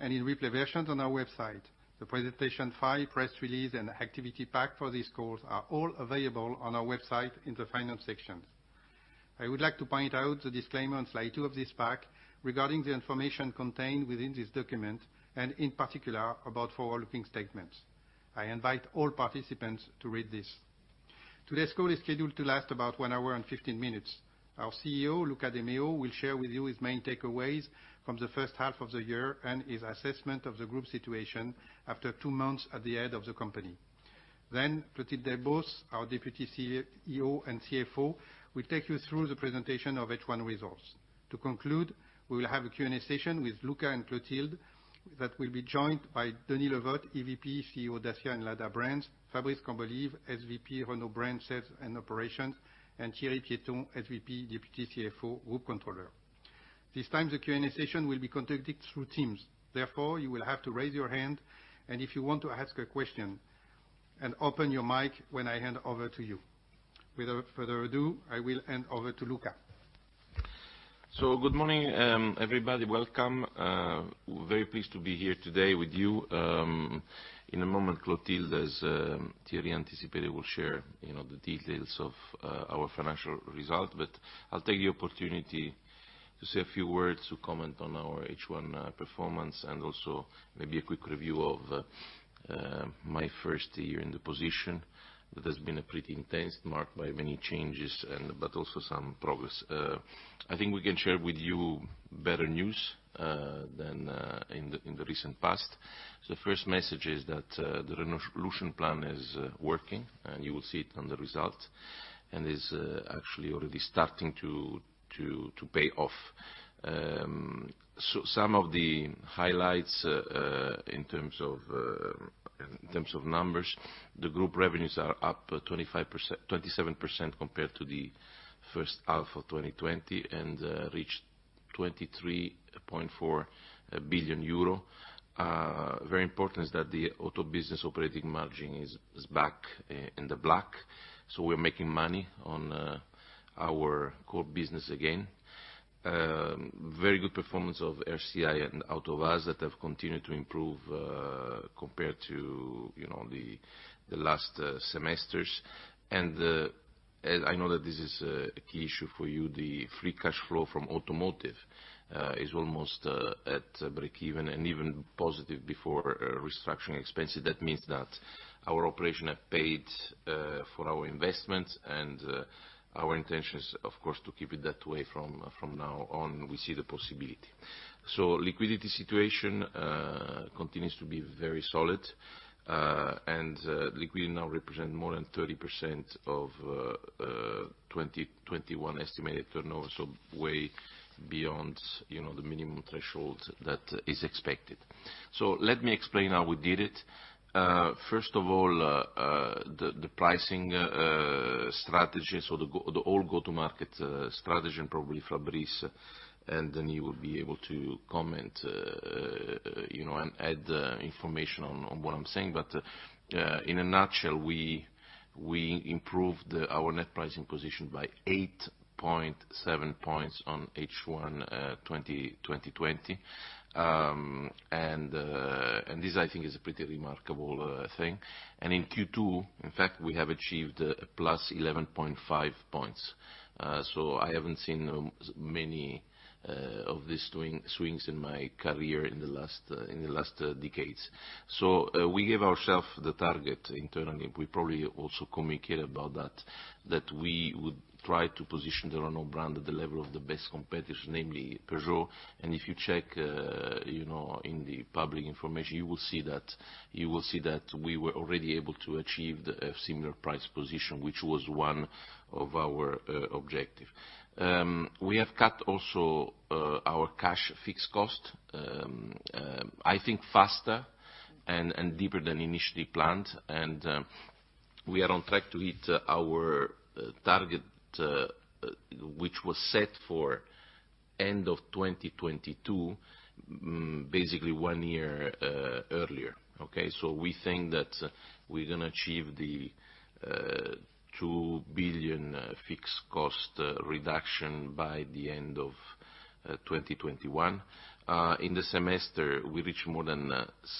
In replay versions on our website. The presentation file, press release, and activity pack for this call are all available on our website in the finance section. I would like to point out the disclaimer on slide two of this pack regarding the information contained within this document, and in particular, about forward-looking statements. I invite all participants to read this. Today's call is scheduled to last about one hour and 15 minutes. Our CEO, Luca de Meo, will share with you his main takeaways from the first half of the year and his assessment of the group situation after two months at the head of the company. Clotilde Delbos, our Deputy CEO and CFO, will take you through the presentation of H1 results. To conclude, we will have a Q&A session with Luca and Clotilde that will be joined by Denis Le Vot, EVP, CEO Dacia and Lada Brands, Fabrice Cambolive, SVP Renault Brands Sales and Operations, and Thierry Piéton, SVP, Deputy CFO, Group Controller. This time, the Q&A session will be conducted through Teams. Therefore, you will have to raise your hand and if you want to ask a question and open your mic when I hand over to you. Without further ado, I will hand over to Luca. Good morning, everybody. Welcome. Very pleased to be here today with you. In a moment, Clotilde, as Thierry anticipated, will share the details of our financial result. I'll take the opportunity to say a few words to comment on our H1 performance and also maybe a quick review of my first year in the position. That has been pretty intense, marked by many changes, but also some progress. I think we can share with you better news than in the recent past. The first message is that the Renaulution plan is working, and you will see it on the result, and is actually already starting to pay off. Some of the highlights in terms of numbers, the group revenues are up 27% compared to the first half of 2020 and reached 23.4 billion euro. Very important is that the auto business operating margin is back in the black. We're making money on our core business again. Very good performance of RCI and AvtoVAZ that have continued to improve, compared to the last semesters. I know that this is a key issue for you, the free cash flow from automotive, is almost at break-even and even positive before restructuring expenses. That means that our operations have paid for our investments and our intention is, of course, to keep it that way from now on, we see the possibility. Liquidity situation continues to be very solid. Liquidity now represent more than 30% of 2021 estimated turnover. Way beyond the minimum threshold that is expected. Let me explain how we did it. First of all, the pricing strategy. The all go-to-market strategy, and probably Fabrice and Denis will be able to comment, and add information on what I'm saying. In a nutshell, we improved our net pricing position by 8.7 points on H1 2020. This I think is a pretty remarkable thing. In Q2, in fact, we have achieved a +11.5 points. I haven't seen many of these swings in my career in the last decades. We gave ourself the target internally. We probably also communicate about that we would try to position the Renault brand at the level of the best competitor, namely Peugeot. If you check in the public information, you will see that we were already able to achieve the similar price position, which was one of our objective. We have cut also our cash fixed cost, I think, faster and deeper than initially planned. We are on track to hit our target, which was set for end of 2022, basically one year earlier. Okay. We think that we're going to achieve the 2 billion fixed cost reduction by the end of 2021. In the semester, we reached more than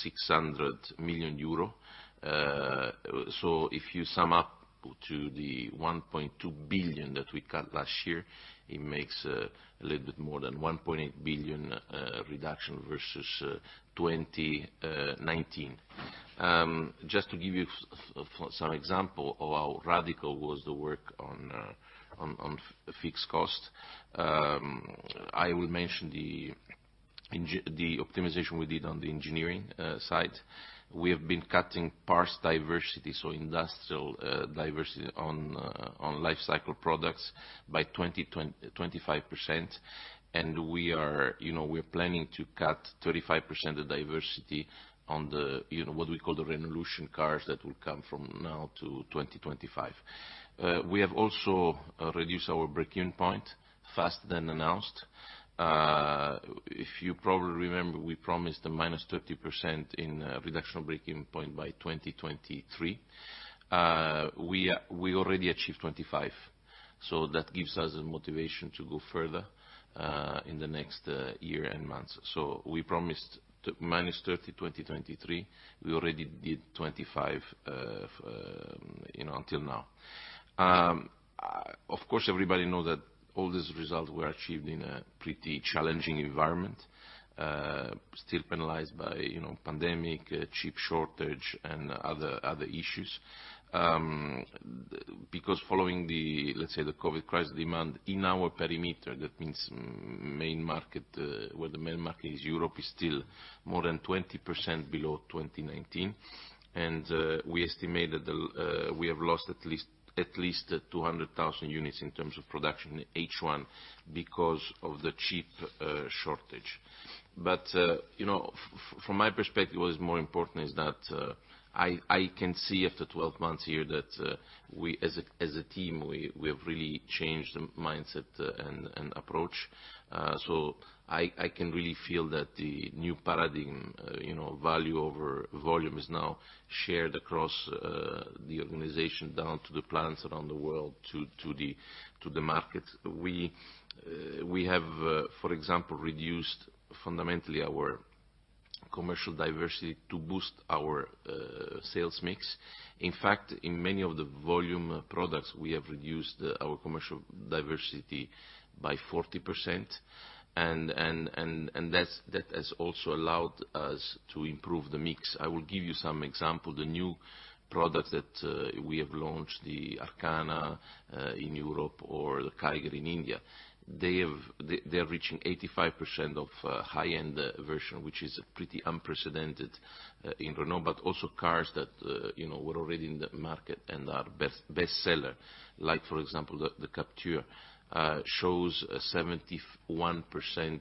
600 million euro. If you sum up to the 1.2 billion that we cut last year, it makes a little bit more than 1.8 billion reduction versus 2019. Just to give you some example of how radical was the work on fixed cost, I will mention the optimization we did on the engineering side. We have been cutting parts diversity, so industrial diversity on life cycle products by 25%. We're planning to cut 35% of diversity on the, what we call the Renaulution cars that will come from now to 2025. We have also reduced our breakeven point faster than announced. If you probably remember, we promised a -30% in reduction break-even point by 2023. We already achieved 25%, that gives us the motivation to go further in the next year and months. We promised -30%, 2023. We already did 25% until now. Of course, everybody knows that all these results were achieved in a pretty challenging environment, still penalized by pandemic, chip shortage, and other issues. Following the, let's say, the COVID crisis demand in our perimeter, that means where the main market is, Europe is still more than 20% below 2019. We estimate that we have lost at least 200,000 units in terms of production in H1 because of the chip shortage. From my perspective, what is more important is that I can see after 12 months here that as a team, we have really changed the mindset and approach. I can really feel that the new paradigm, value over volume, is now shared across the organization, down to the plants around the world, to the market. We have, for example, reduced fundamentally our commercial diversity to boost our sales mix. In fact, in many of the volume products, we have reduced our commercial diversity by 40%, and that has also allowed us to improve the mix. I will give you some example. The new products that we have launched, the Renault Arkana in Europe or the Renault Kiger in India, they are reaching 85% of high-end version, which is pretty unprecedented in Renault. Also cars that were already in the market and are bestseller, like for example, the Renault Captur, shows a 71%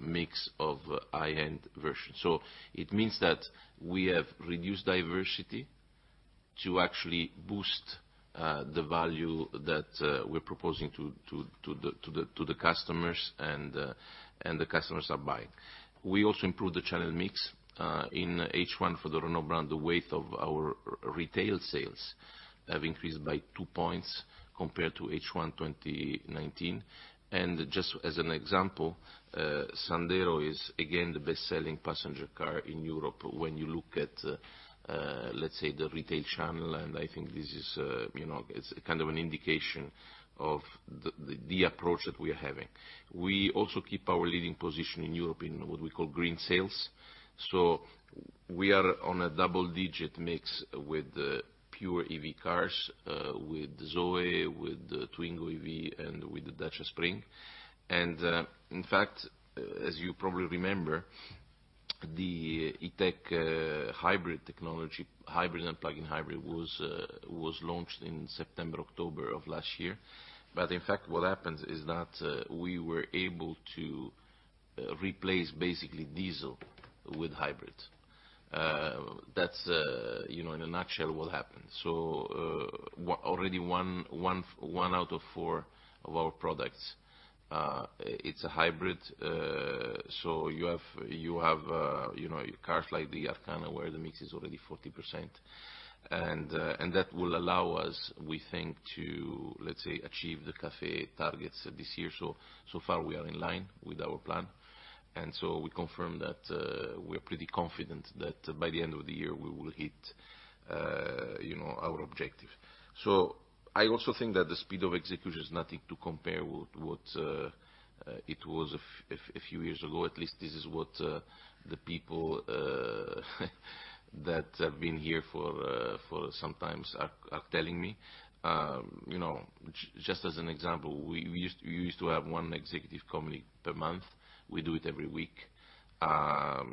mix of high-end version. It means that we have reduced diversity to actually boost the value that we're proposing to the customers, and the customers are buying. We also improved the channel mix. In H1 for the Renault brand, the weight of our retail sales have increased by 2 points compared to H1 2019. Just as an example, Renault Sandero is again the best-selling passenger car in Europe when you look at, let's say, the retail channel, and I think this is kind of an indication of the approach that we are having. We also keep our leading position in Europe in what we call green sales. We are on a double-digit mix with the pure EV cars, with Renault Zoe, with Twingo EV, and with the Dacia Spring. In fact, as you probably remember, the E-TECH hybrid technology, hybrid and plug-in hybrid, was launched in September, October of last year. In fact, what happened is that we were able to replace basically diesel with hybrid. That's, in a nutshell, what happened. Already one out of four of our products, it's a hybrid. You have cars like the Renault Arkana where the mix is already 40%. That will allow us, we think, to, let's say, achieve the CAFE targets this year. Far, we are in line with our plan, we confirm that we are pretty confident that by the end of the year, we will hit our objective. I also think that the speed of execution is nothing to compare with what it was a few years ago, at least this is what the people that have been here for some time are telling me. Just as an example, we used to have one executive committee per month. We do it every week. I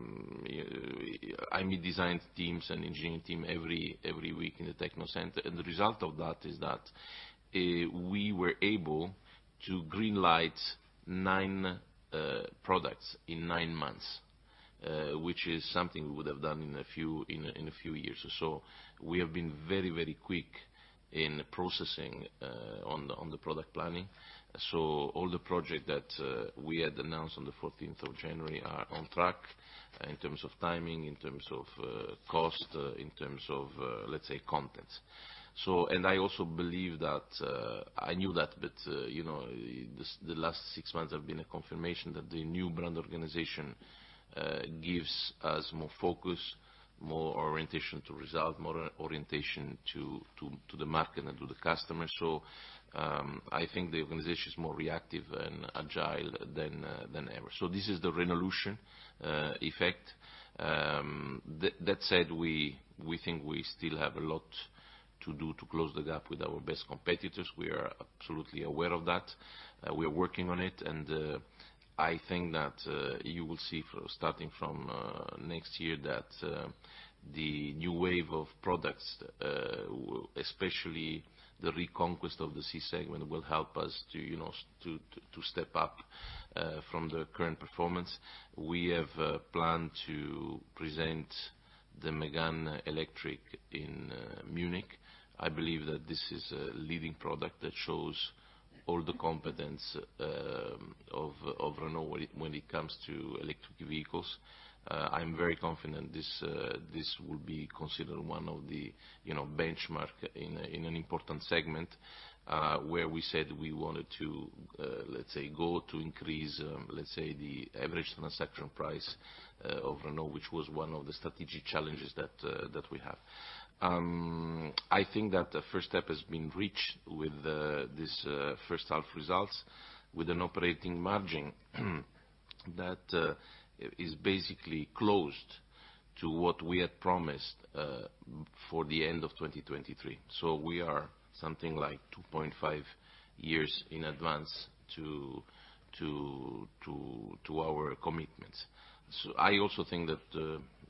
meet design teams and engineering team every week in the techno center. The result of that is that we were able to green light nine products in nine months, which is something we would have done in a few years or so. We have been very quick in processing on the product planning. All the project that we had announced on the 14th of January are on track in terms of timing, in terms of cost, in terms of, let's say, content. I also believe that, I knew that, but the last six months have been a confirmation that the new brand organization gives us more focus, more orientation to result, more orientation to the market and to the customer. I think the organization is more reactive and agile than ever. This is the Renaulution effect. That said, we think we still have a lot to do to close the gap with our best competitors. We are absolutely aware of that. We are working on it, and I think that you will see starting from next year that the new wave of products, especially the reconquest of the C-segment, will help us to step up from the current performance. We have planned to present the Mégane E-Tech Electric in Munich. I believe that this is a leading product that shows all the competence of Renault when it comes to electric vehicles. I'm very confident this will be considered one of the benchmark in an important segment, where we said we wanted to, let's say, go to increase the average transaction price of Renault, which was one of the strategic challenges that we have. I think that the first step has been reached with this first half results with an operating margin that is basically closed to what we had promised for the end of 2023. We are something like 2.5 years in advance to our commitments. I also think that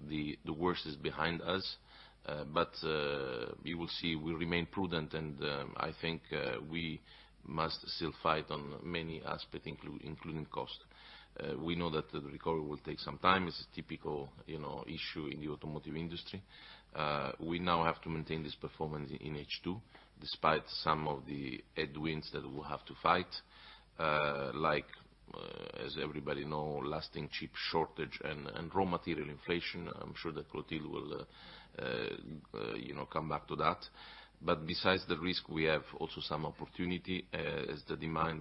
the worst is behind us, but we will see. We remain prudent and I think we must still fight on many aspects, including cost. We know that the recovery will take some time. It's a typical issue in the automotive industry. We now have to maintain this performance in H2, despite some of the headwinds that we'll have to fight, like as everybody know, lasting chip shortage and raw material inflation. I'm sure that Clotilde will come back to that. Besides the risk, we have also some opportunity, as the demand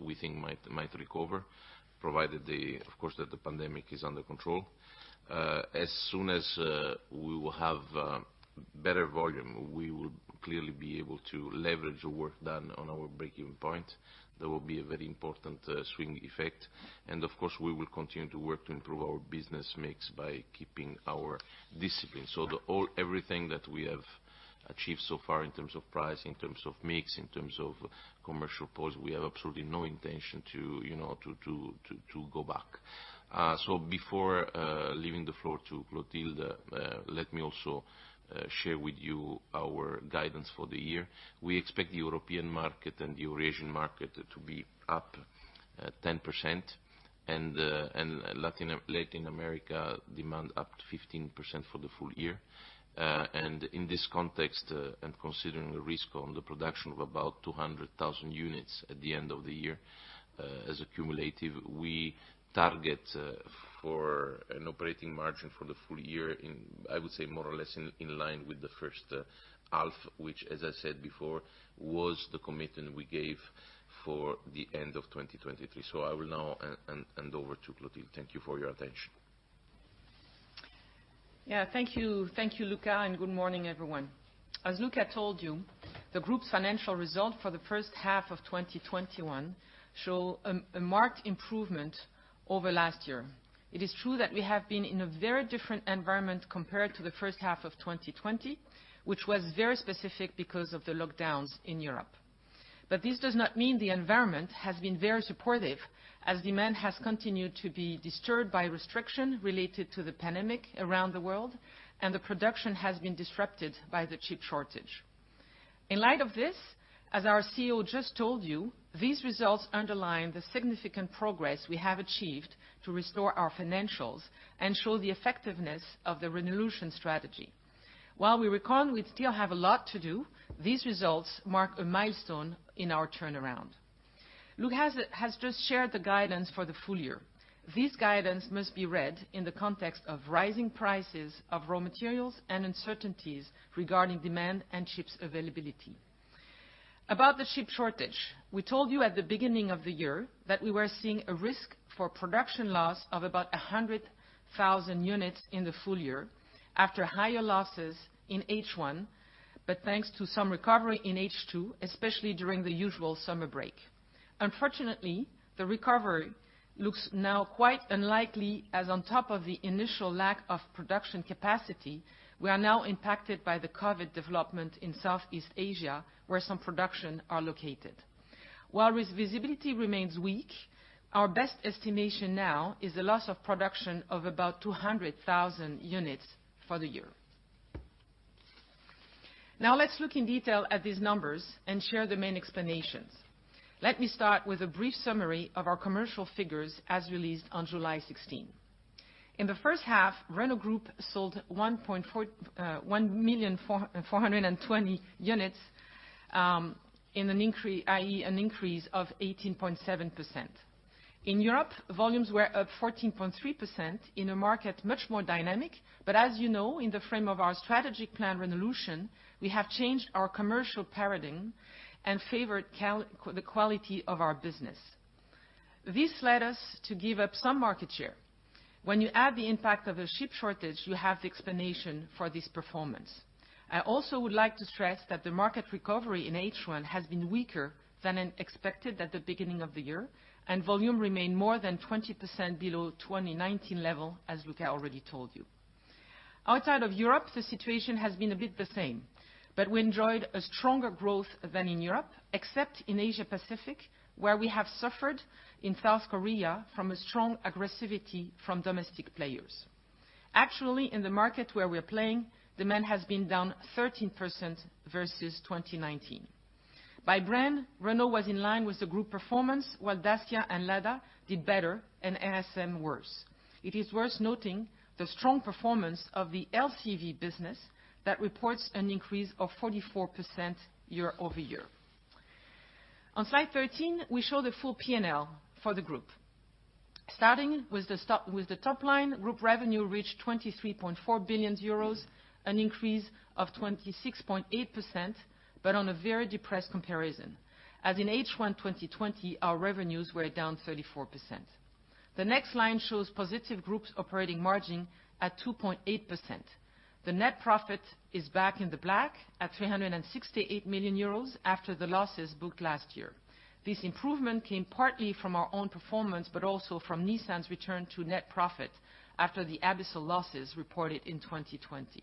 we think might recover, provided of course that the pandemic is under control. As soon as we will have better volume, we will clearly be able to leverage the work done on our break-even point. There will be a very important swing effect. Of course, we will continue to work to improve our business mix by keeping our discipline. Everything that we have achieved so far in terms of price, in terms of mix, in terms of commercial pulse, we have absolutely no intention to go back. Before leaving the floor to Clotilde, let me also share with you our guidance for the year. We expect the European market and the Eurasian market to be up 10% and Latin America demand up to 15% for the full year. In this context, and considering the risk on the production of about 200,000 units at the end of the year as accumulative, we target for an operating margin for the full year in, I would say more or less in line with the first half, which as I said before, was the commitment we gave for the end of 2023. I will now hand over to Clotilde. Thank you for your attention. Thank you, Luca, and good morning everyone. As Luca told you, the Group's financial result for the first half of 2021 show a marked improvement over last year. It is true that we have been in a very different environment compared to the first half of 2020, which was very specific because of the lockdowns in Europe. This does not mean the environment has been very supportive, as demand has continued to be disturbed by restriction related to the pandemic around the world, and the production has been disrupted by the semiconductor shortage. In light of this, as our CEO just told you, these results underline the significant progress we have achieved to restore our financials and show the effectiveness of the Renaulution strategy. We reckon we still have a lot to do, these results mark a milestone in our turnaround. Luca has just shared the guidance for the full year. This guidance must be read in the context of rising prices of raw materials and uncertainties regarding demand and chips availability. About the chip shortage, we told you at the beginning of the year that we were seeing a risk for production loss of about 100,000 units in the full year, after higher losses in H1, but thanks to some recovery in H2, especially during the usual summer break. Unfortunately, the recovery looks now quite unlikely as on top of the initial lack of production capacity, we are now impacted by the COVID development in Southeast Asia, where some production are located. While risk visibility remains weak, our best estimation now is a loss of production of about 200,000 units for the year. Let's look in detail at these numbers and share the main explanations. Let me start with a brief summary of our commercial figures as released on July 16. In the first half, Renault Group sold 1,420,000 units, i.e. an increase of 18.7%. In Europe, volumes were up 14.3% in a market much more dynamic. As you know, in the frame of our strategic plan, Renaulution, we have changed our commercial paradigm and favored the quality of our business. This led us to give up some market share. When you add the impact of a chip shortage, you have the explanation for this performance. I also would like to stress that the market recovery in H1 has been weaker than expected at the beginning of the year, and volume remained more than 20% below 2019 level, as Luca already told you. Outside of Europe, the situation has been a bit the same, but we enjoyed a stronger growth than in Europe, except in Asia Pacific, where we have suffered in South Korea from a strong aggressivity from domestic players. Actually, in the market where we are playing, demand has been down 13% versus 2019. By brand, Renault was in line with the Group performance, while Renault Dacia and Renault Lada did better and RSM worse. It is worth noting the strong performance of the LCV business that reports an increase of 44% year-over-year. On slide 13, we show the full P&L for the Group. Starting with the top line, Group revenue reached 23.4 billion euros, an increase of 26.8%, but on a very depressed comparison. As in H1 2020, our revenues were down 34%. The next line shows positive Group's operating margin at 2.8%. The net profit is back in the black at 368 million euros after the losses booked last year. This improvement came partly from our own performance, but also from Nissan's return to net profit after the abyssal losses reported in 2020.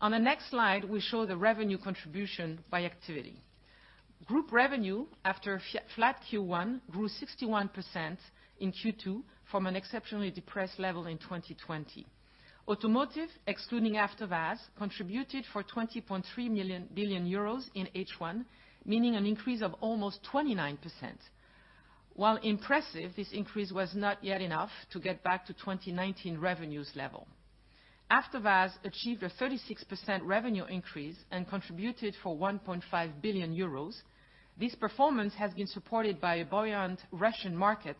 On the next slide, we show the revenue contribution by activity. Group revenue, after a flat Q1, grew 61% in Q2 from an exceptionally depressed level in 2020. Automotive, excluding After Sales, contributed for 20.3 billion euros in H1, meaning an increase of almost 29%. While impressive, this increase was not yet enough to get back to 2019 revenues level. After Sales achieved a 36% revenue increase and contributed for 1.5 billion euros. This performance has been supported by a buoyant Russian market,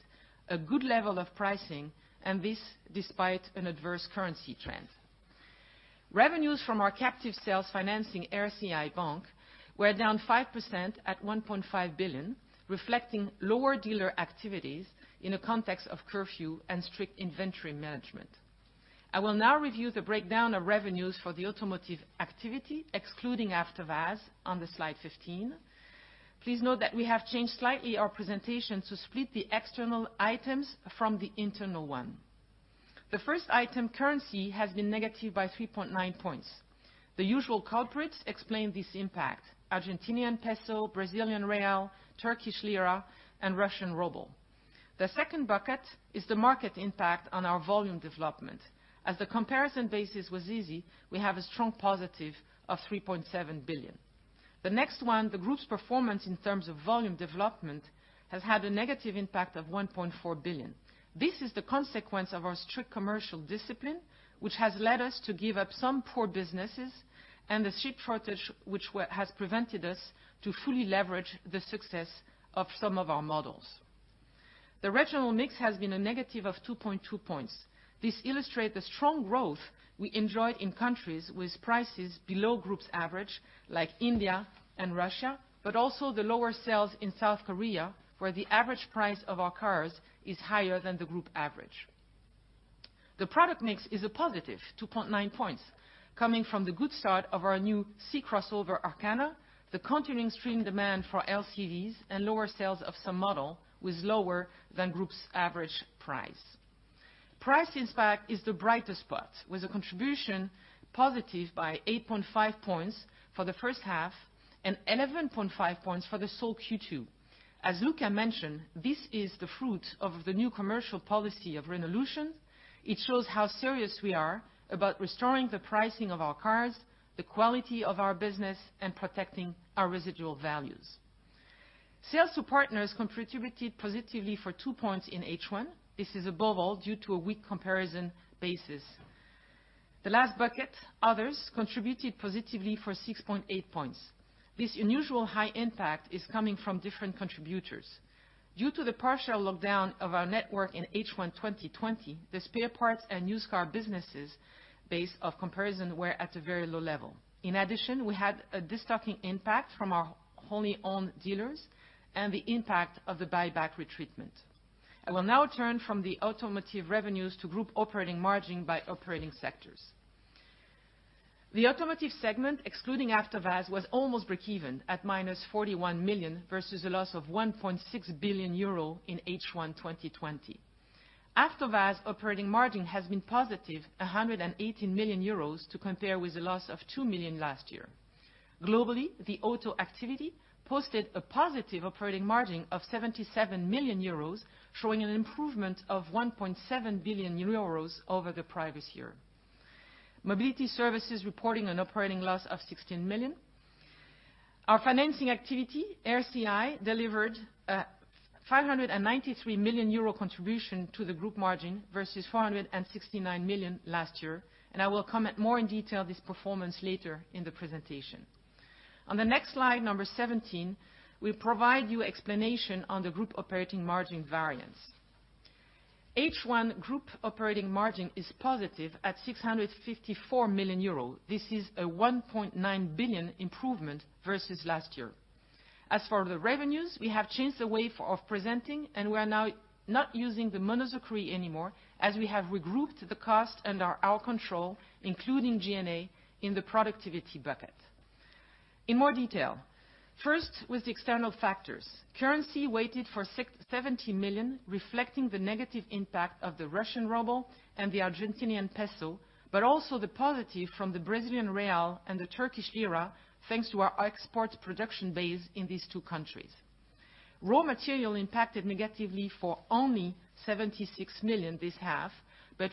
a good level of pricing, and this despite an adverse currency trend. Revenues from our captive sales financing, RCI Bank, were down 5% at 1.5 billion, reflecting lower dealer activities in a context of curfew and strict inventory management. I will now review the breakdown of revenues for the automotive activity, excluding After Sales, on slide 15. Please note that we have changed slightly our presentation to split the external items from the internal one. The first item, currency, has been negative by 3.9 points. The usual culprits explain this impact: Argentinian peso, Brazilian real, Turkish lira, and Russian ruble. The second bucket is the market impact on our volume development. As the comparison basis was easy, we have a strong positive of 3.7 billion. The next one, the group's performance in terms of volume development, has had a negative impact of 1.4 billion. This is the consequence of our strict commercial discipline, which has led us to give up some poor businesses, and the chip shortage, which has prevented us to fully leverage the success of some of our models. The regional mix has been a negative of 2.2 points. This illustrate the strong growth we enjoyed in countries with prices below group's average, like India and Russia, but also the lower sales in South Korea, where the average price of our cars is higher than the group average. The product mix is a positive 2.9 points, coming from the good start of our new C crossover Renault Arkana, the continuing strong demand for LCVs, and lower sales of some model was lower than group's average price. Price impact is the brightest spot, with a contribution positive by 8.5 points for the first half and 11.5 points for the sole Q2. As Luca mentioned, this is the fruit of the new commercial policy of Renaulution. It shows how serious we are about restoring the pricing of our cars, the quality of our business, and protecting our residual values. Sales to partners contributed positively for 2 points in H1. This is above all due to a weak comparison basis. The last bucket, others, contributed positively for 6.8 points. This unusual high impact is coming from different contributors. Due to the partial lockdown of our network in H1 2020, the spare parts and used car businesses base of comparison were at a very low level. In addition, we had a de-stocking impact from our wholly owned dealers and the impact of the buyback retreatment. I will now turn from the automotive revenues to group operating margin by operating sectors. The automotive segment, excluding After Sales, was almost breakeven at -41 million, versus a loss of 1.6 billion euro in H1 2020. After Sales operating margin has been positive, 118 million euros, to compare with the loss of 2 million last year. Globally, the auto activity posted a positive operating margin of 77 million euros, showing an improvement of 1.7 billion euros over the previous year. Mobility services reporting an operating loss of 16 million. Our financing activity, RCI, delivered a 593 million euro contribution to the group margin versus 469 million last year. I will comment more in detail this performance later in the presentation. On the next slide, number 17, we provide you explanation on the group operating margin variance. H1 group operating margin is positive at 654 million euros. This is a 1.9 billion improvement versus last year. As for the revenues, we have changed the way of presenting. We are now not using the Monozukuri anymore, as we have regrouped the cost under our control, including G&A, in the productivity bucket. In more detail, first with the external factors. Currency weighted for 17 million, reflecting the negative impact of the Russian ruble and the Argentinian peso. Also the positive from the Brazilian real and the Turkish lira, thanks to our export production base in these two countries. Raw material impacted negatively for only 76 million this half.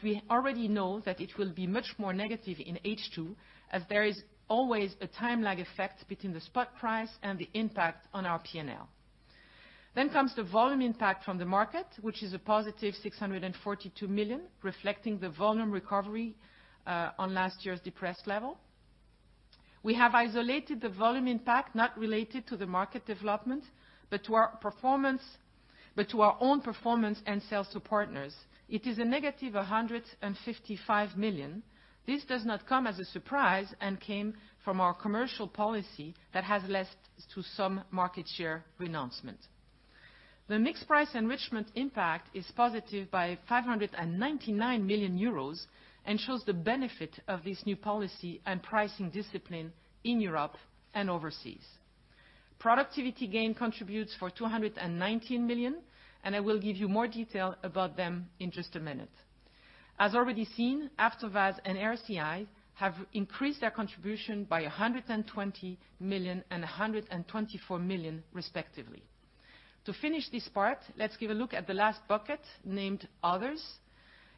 We already know that it will be much more negative in H2, as there is always a time lag effect between the spot price and the impact on our P&L. Comes the volume impact from the market, which is a positive 642 million, reflecting the volume recovery on last year's depressed level. We have isolated the volume impact not related to the market development, but to our own performance and sales to partners. It is a negative 155 million. This does not come as a surprise, and came from our commercial policy that has led to some market share renouncement. The mixed price enrichment impact is positive by 599 million euros, and shows the benefit of this new policy and pricing discipline in Europe and overseas. Productivity gain contributes for 219 million, and I will give you more detail about them in just a minute. As already seen, AvtoVAZ and RCI have increased their contribution by 120 million and 124 million respectively. To finish this part, let's give a look at the last bucket, named Others.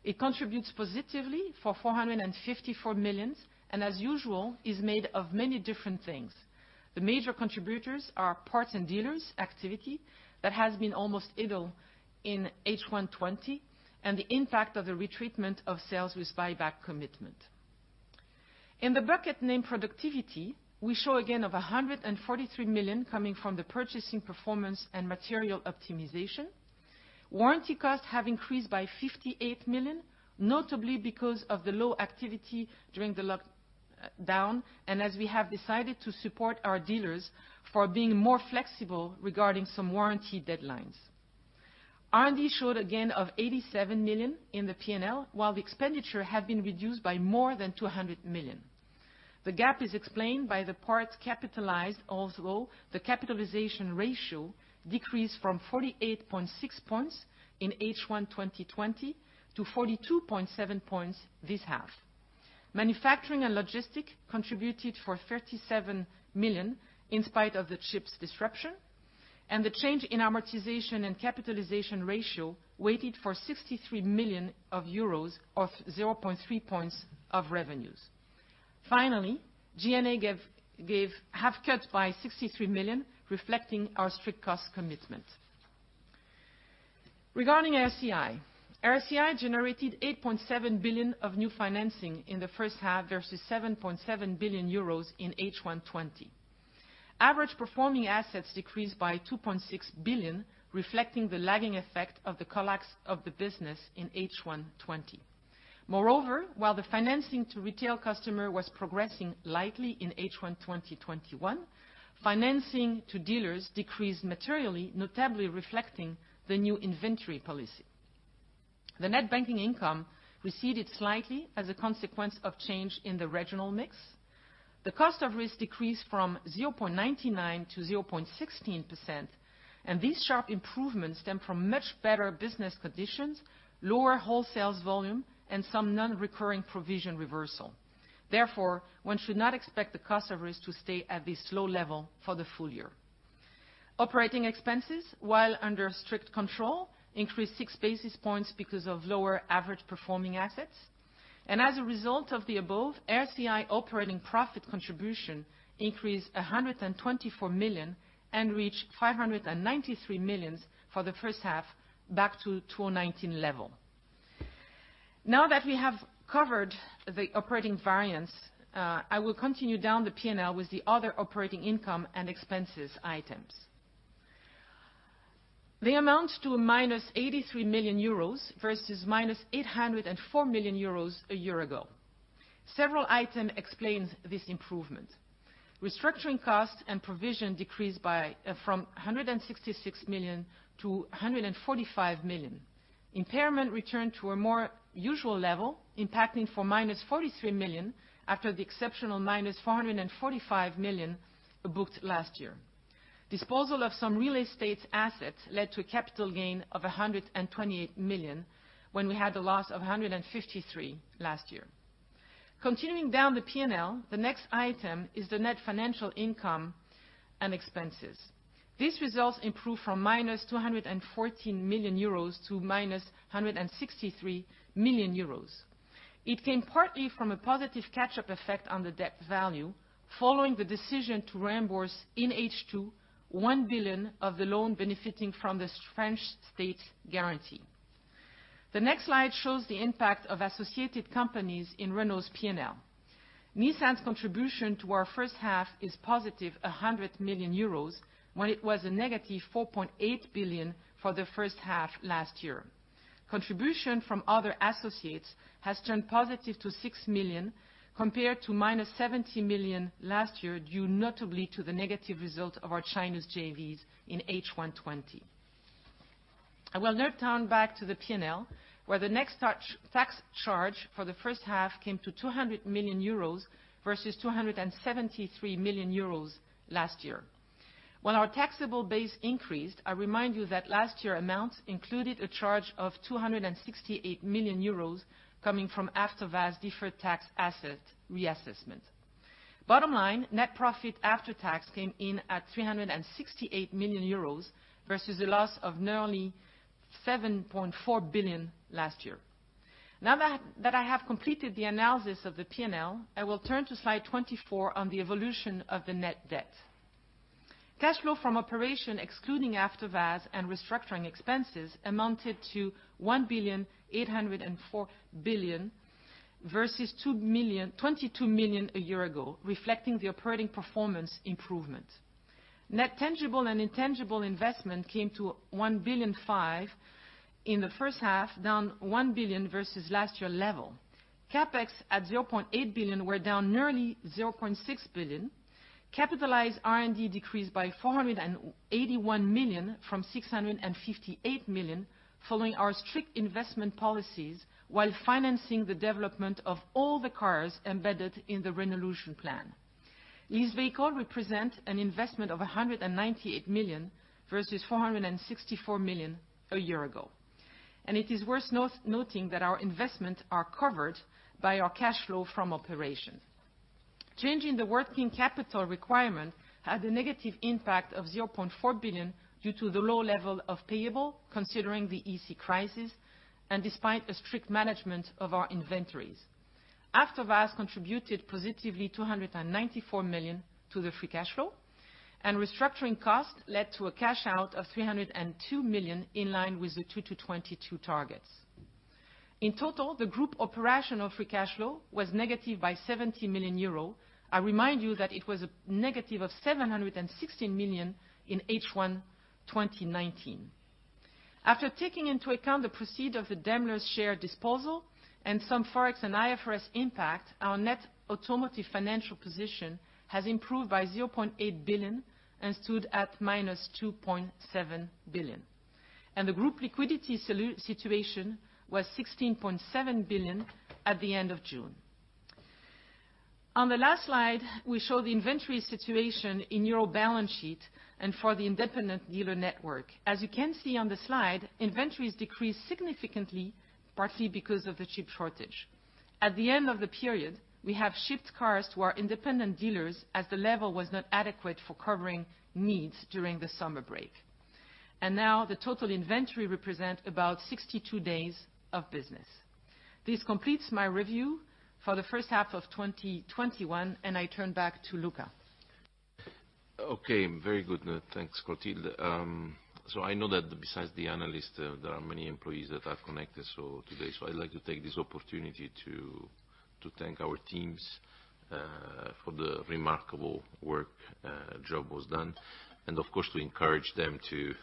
It contributes positively for 454 million, and as usual, is made of many different things. The major contributors are Parts and Dealers activity, that has been almost idle in H1 2020, and the impact of the retreatment of sales with buyback commitment. In the bucket named Productivity, we show a gain of 143 million coming from the purchasing performance and material optimization. Warranty costs have increased by 58 million, notably because of the low activity during the lockdown, and as we have decided to support our dealers for being more flexible regarding some warranty deadlines. R&D showed a gain of 87 million in the P&L, while the expenditure have been reduced by more than 200 million. The gap is explained by the parts capitalized, although the capitalization ratio decreased from 48.6 points in H1 2020 to 42.7 points this half. Manufacturing and logistics contributed for 37 million in spite of the chips disruption, and the change in amortization and capitalization ratio weighted for 63 million euros, or 0.3 points of revenues. Finally, G&A have cut by 63 million, reflecting our strict cost commitment. Regarding RCI. RCI generated 8.7 billion of new financing in the first half, versus 7.7 billion euros in H1 2020. Average performing assets decreased by 2.6 billion, reflecting the lagging effect of the collapse of the business in H1 2020. Moreover, while the financing to retail customer was progressing lightly in H1 2021, financing to dealers decreased materially, notably reflecting the new inventory policy. The net banking income receded slightly as a consequence of change in the regional mix. The cost of risk decreased from 0.99%-0.16%. These sharp improvements stem from much better business conditions, lower wholesales volume, and some non-recurring provision reversal. Therefore, one should not expect the cost of risk to stay at this low level for the full year. Operating expenses, while under strict control, increased 6 basis points because of lower average performing assets. As a result of the above, RCI operating profit contribution increased 124 million and reached 593 million for the first half, back to 2019 level. Now that we have covered the operating variance, I will continue down the P&L with the other operating income and expenses items. They amount to a minus 83 million euros versus -804 million euros a year ago. Several item explains this improvement. Restructuring costs and provision decreased from 166 million-145 million. Impairment returned to a more usual level, impacting for -43 million, after the exceptional -445 million booked last year. Disposal of some real estate assets led to a capital gain of 128 million, when we had a loss of 153 million last year. Continuing down the P&L, the next item is the net financial income and expenses. These results improved from -214 million euros to -163 million euros. It came partly from a positive catch-up effect on the debt value, following the decision to reimburse in H2, 1 billion of the loan benefiting from this French state guarantee. The next slide shows the impact of associated companies in Renault's P&L. Nissan's contribution to our first half is positive 100 million euros, when it was a negative 4.8 billion for the first half last year. Contribution from other associates has turned positive to 6 million, compared to -70 million last year, due notably to the negative result of our China's JVs in H1 2020. I will now turn back to the P&L, where the next tax charge for the first half came to 200 million euros versus 273 million euros last year. While our taxable base increased, I remind you that last year amount included a charge of 268 million euros coming from AvtoVAZ deferred tax asset reassessment. Bottom line, net profit after tax came in at 368 million euros versus a loss of nearly 7.4 billion last year. Now that I have completed the analysis of the P&L, I will turn to slide 24 on the evolution of the net debt. Cash flow from operation, excluding AvtoVAZ and restructuring expenses, amounted to 1 billion 804 billion, versus 22 million a year ago, reflecting the operating performance improvement. Net tangible and intangible investment came to 1.5 billion in the first half, down 1 billion versus last year level. CapEx at 0.8 billion, we're down nearly 0.6 billion. Capitalized R&D decreased by 481 million from 658 million, following our strict investment policies while financing the development of all the cars embedded in the Renaulution plan. Leased vehicle represent an investment of 198 million versus 464 million a year ago. It is worth noting that our investment are covered by our cash flow from operation. Change in the working capital requirement had a negative impact of 0.4 billion due to the low level of payable, considering the EC crisis, despite a strict management of our inventories. AvtoVAZ contributed positively 294 million to the free cash flow, restructuring costs led to a cash out of 302 million, in line with the 2022 targets. In total, the group operational free cash flow was negative by 70 million euro. I remind you that it was a negative of 716 million in H1 2019. After taking into account the proceed of the Daimler share disposal and some Forex and IFRS impact, our net automotive financial position has improved by 0.8 billion and stood at -2.7 billion. The group liquidity situation was 16.7 billion at the end of June. On the last slide, we show the inventory situation in EUR balance sheet and for the independent dealer network. As you can see on the slide, inventories decreased significantly, partly because of the chip shortage. At the end of the period, we have shipped cars to our independent dealers as the level was not adequate for covering needs during the summer break. Now the total inventory represent about 62 days of business. This completes my review for the first half of 2021, and I turn back to Luca. Okay. Very good. Thanks, Clotilde. I know that besides the analysts, there are many employees that are connected today. I'd like to take this opportunity to thank our teams, for the remarkable work job was done, and of course, to encourage them to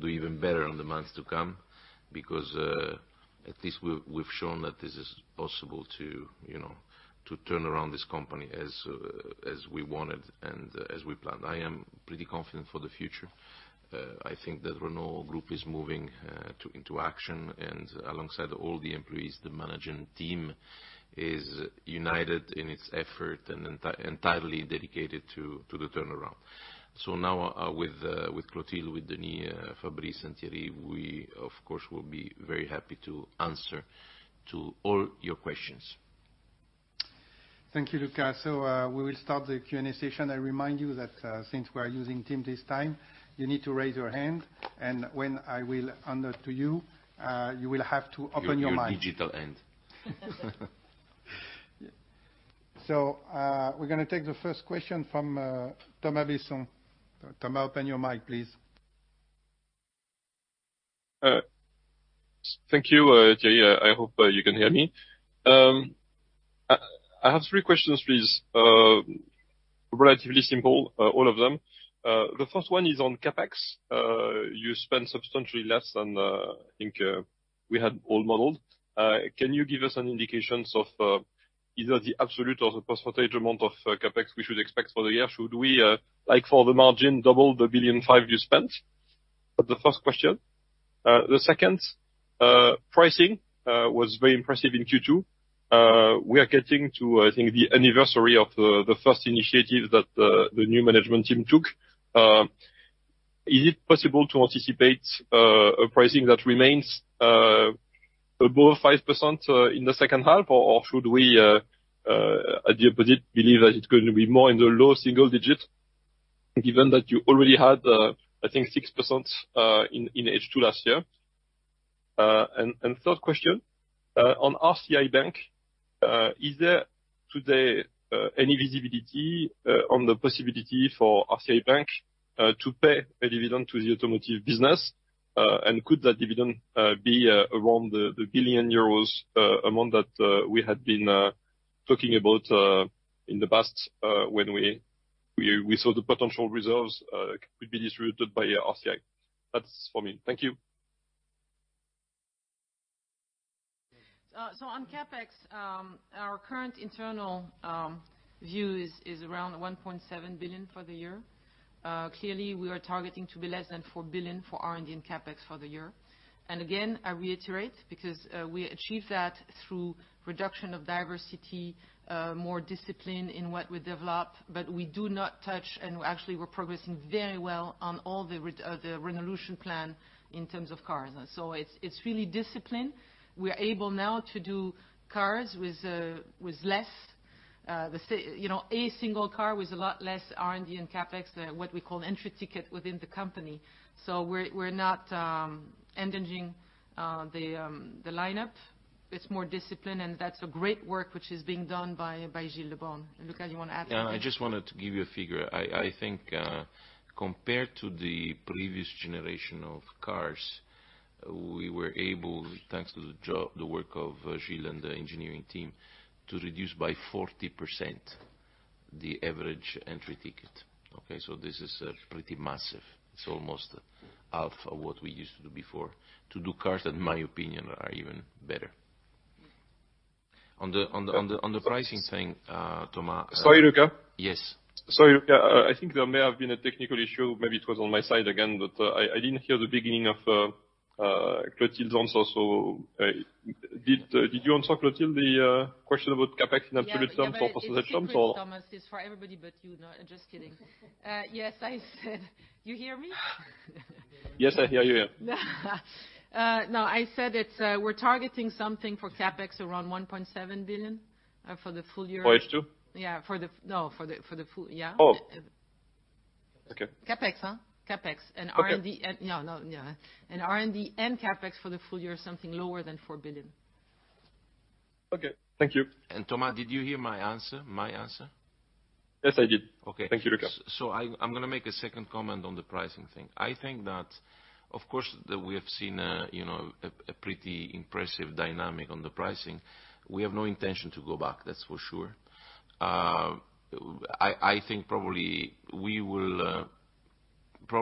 do even better in the months to come, because, at least we've shown that this is possible to turn around this company as we wanted and as we planned. I am pretty confident for the future. I think that Renault Group is moving into action and alongside all the employees, the managing team is united in its effort and entirely dedicated to the turnaround. Now, with Clotilde, with Denis, Fabrice, and Thierry, we of course, will be very happy to answer to all your questions. Thank you, Luca. We will start the Q&A session. I remind you that, since we are using Teams this time, you need to raise your hand, and when I will hand to you will have to open your mic. Your digital hand. We're going to take the first question from Thomas Besson. Thomas, open your mic, please. Thank you, Thierry. I hope you can hear me. I have three questions, please. Relatively simple, all of them. The first one is on CapEx. You spent substantially less than, I think, we had all modeled. Can you give us an indications of either the absolute or the percentage amount of CapEx we should expect for the year? Should we, like for the margin, double the 1.5 billion you spent? The first question. The second, pricing was very impressive in Q2. We are getting to, I think, the anniversary of the first initiative that the new management team took. Is it possible to anticipate a pricing that remains above 5% in the second half, or should we, at the opposite, believe that it's going to be more in the low single digit given that you already had, I think 6%, in H2 last year? Third question, on RCI Bank, is there today any visibility on the possibility for RCI Bank to pay a dividend to the automotive business? Could that dividend be around the 1 billion euros amount that we had been talking about in the past, when we saw the potential reserves could be distributed by RCI? That's for me. Thank you. On CapEx, our current internal view is around 1.7 billion for the year. Clearly, we are targeting to be less than 4 billion for R&D and CapEx for the year. Again, I reiterate, because we achieved that through reduction of diversity, more discipline in what we develop, but we do not touch, and actually we're progressing very well on all the Renaulution plan in terms of cars. It's really discipline. We are able now to do cars with less, a single car with a lot less R&D and CapEx, what we call entry ticket within the company. We're not endangering the lineup. It's more discipline, and that's a great work, which is being done by Gilles Le Borgne. Luca, you want to add something? I just wanted to give you a figure. I think, compared to the previous generation of cars, we were able, thanks to the work of Gilles and the engineering team, to reduce by 40% the average entry ticket. Okay, this is pretty massive. It's almost half of what we used to do before. To do cars, in my opinion, are even better. On the pricing thing, Thomas- Sorry, Luca. Yes. Sorry, Luca. I think there may have been a technical issue. Maybe it was on my side again, I didn't hear the beginning of Clotilde's answer. Did you answer, Clotilde, the question about CapEx in absolute terms or percentage? Yeah, but it's a secret, Thomas. It's for everybody but you. No, just kidding. Yes, I said. You hear me? Yes, I hear you, yeah. No, I said it's we're targeting something for CapEx around 1.7 billion for the full year. For H2? Yeah. No, for the full Yeah. Oh. Okay. CapEx, huh? Okay No. R&D and CapEx for the full year, something lower than 4 billion. Okay. Thank you. Thomas, did you hear my answer? Yes, I did. Okay. Thank you, Luca. I'm going to make a second comment on the pricing thing. I think that, of course, that we have seen a pretty impressive dynamic on the pricing. We have no intention to go back, that's for sure. I think probably we will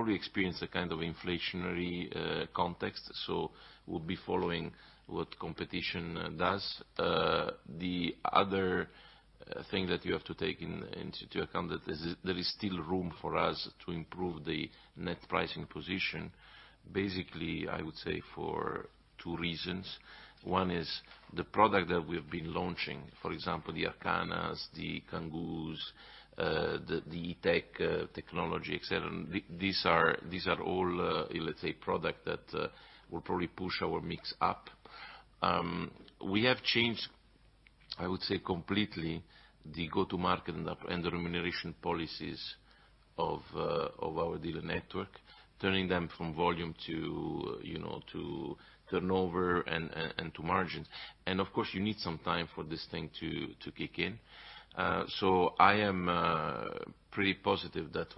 experience a kind of inflationary context, so we'll be following what competition does. The other thing that you have to take into account that there is still room for us to improve the net pricing position. Basically, I would say for two reasons. One is the product that we've been launching, for example, the Arkanas, the Kangoos, the E-TECH technology, et cetera. These are all, let's say, product that will probably push our mix up. We have changed, I would say, completely the go-to-market and the remuneration policies of our dealer network, turning them from volume to turnover and to margins. Of course, you need some time for this thing to kick in. I am pretty positive that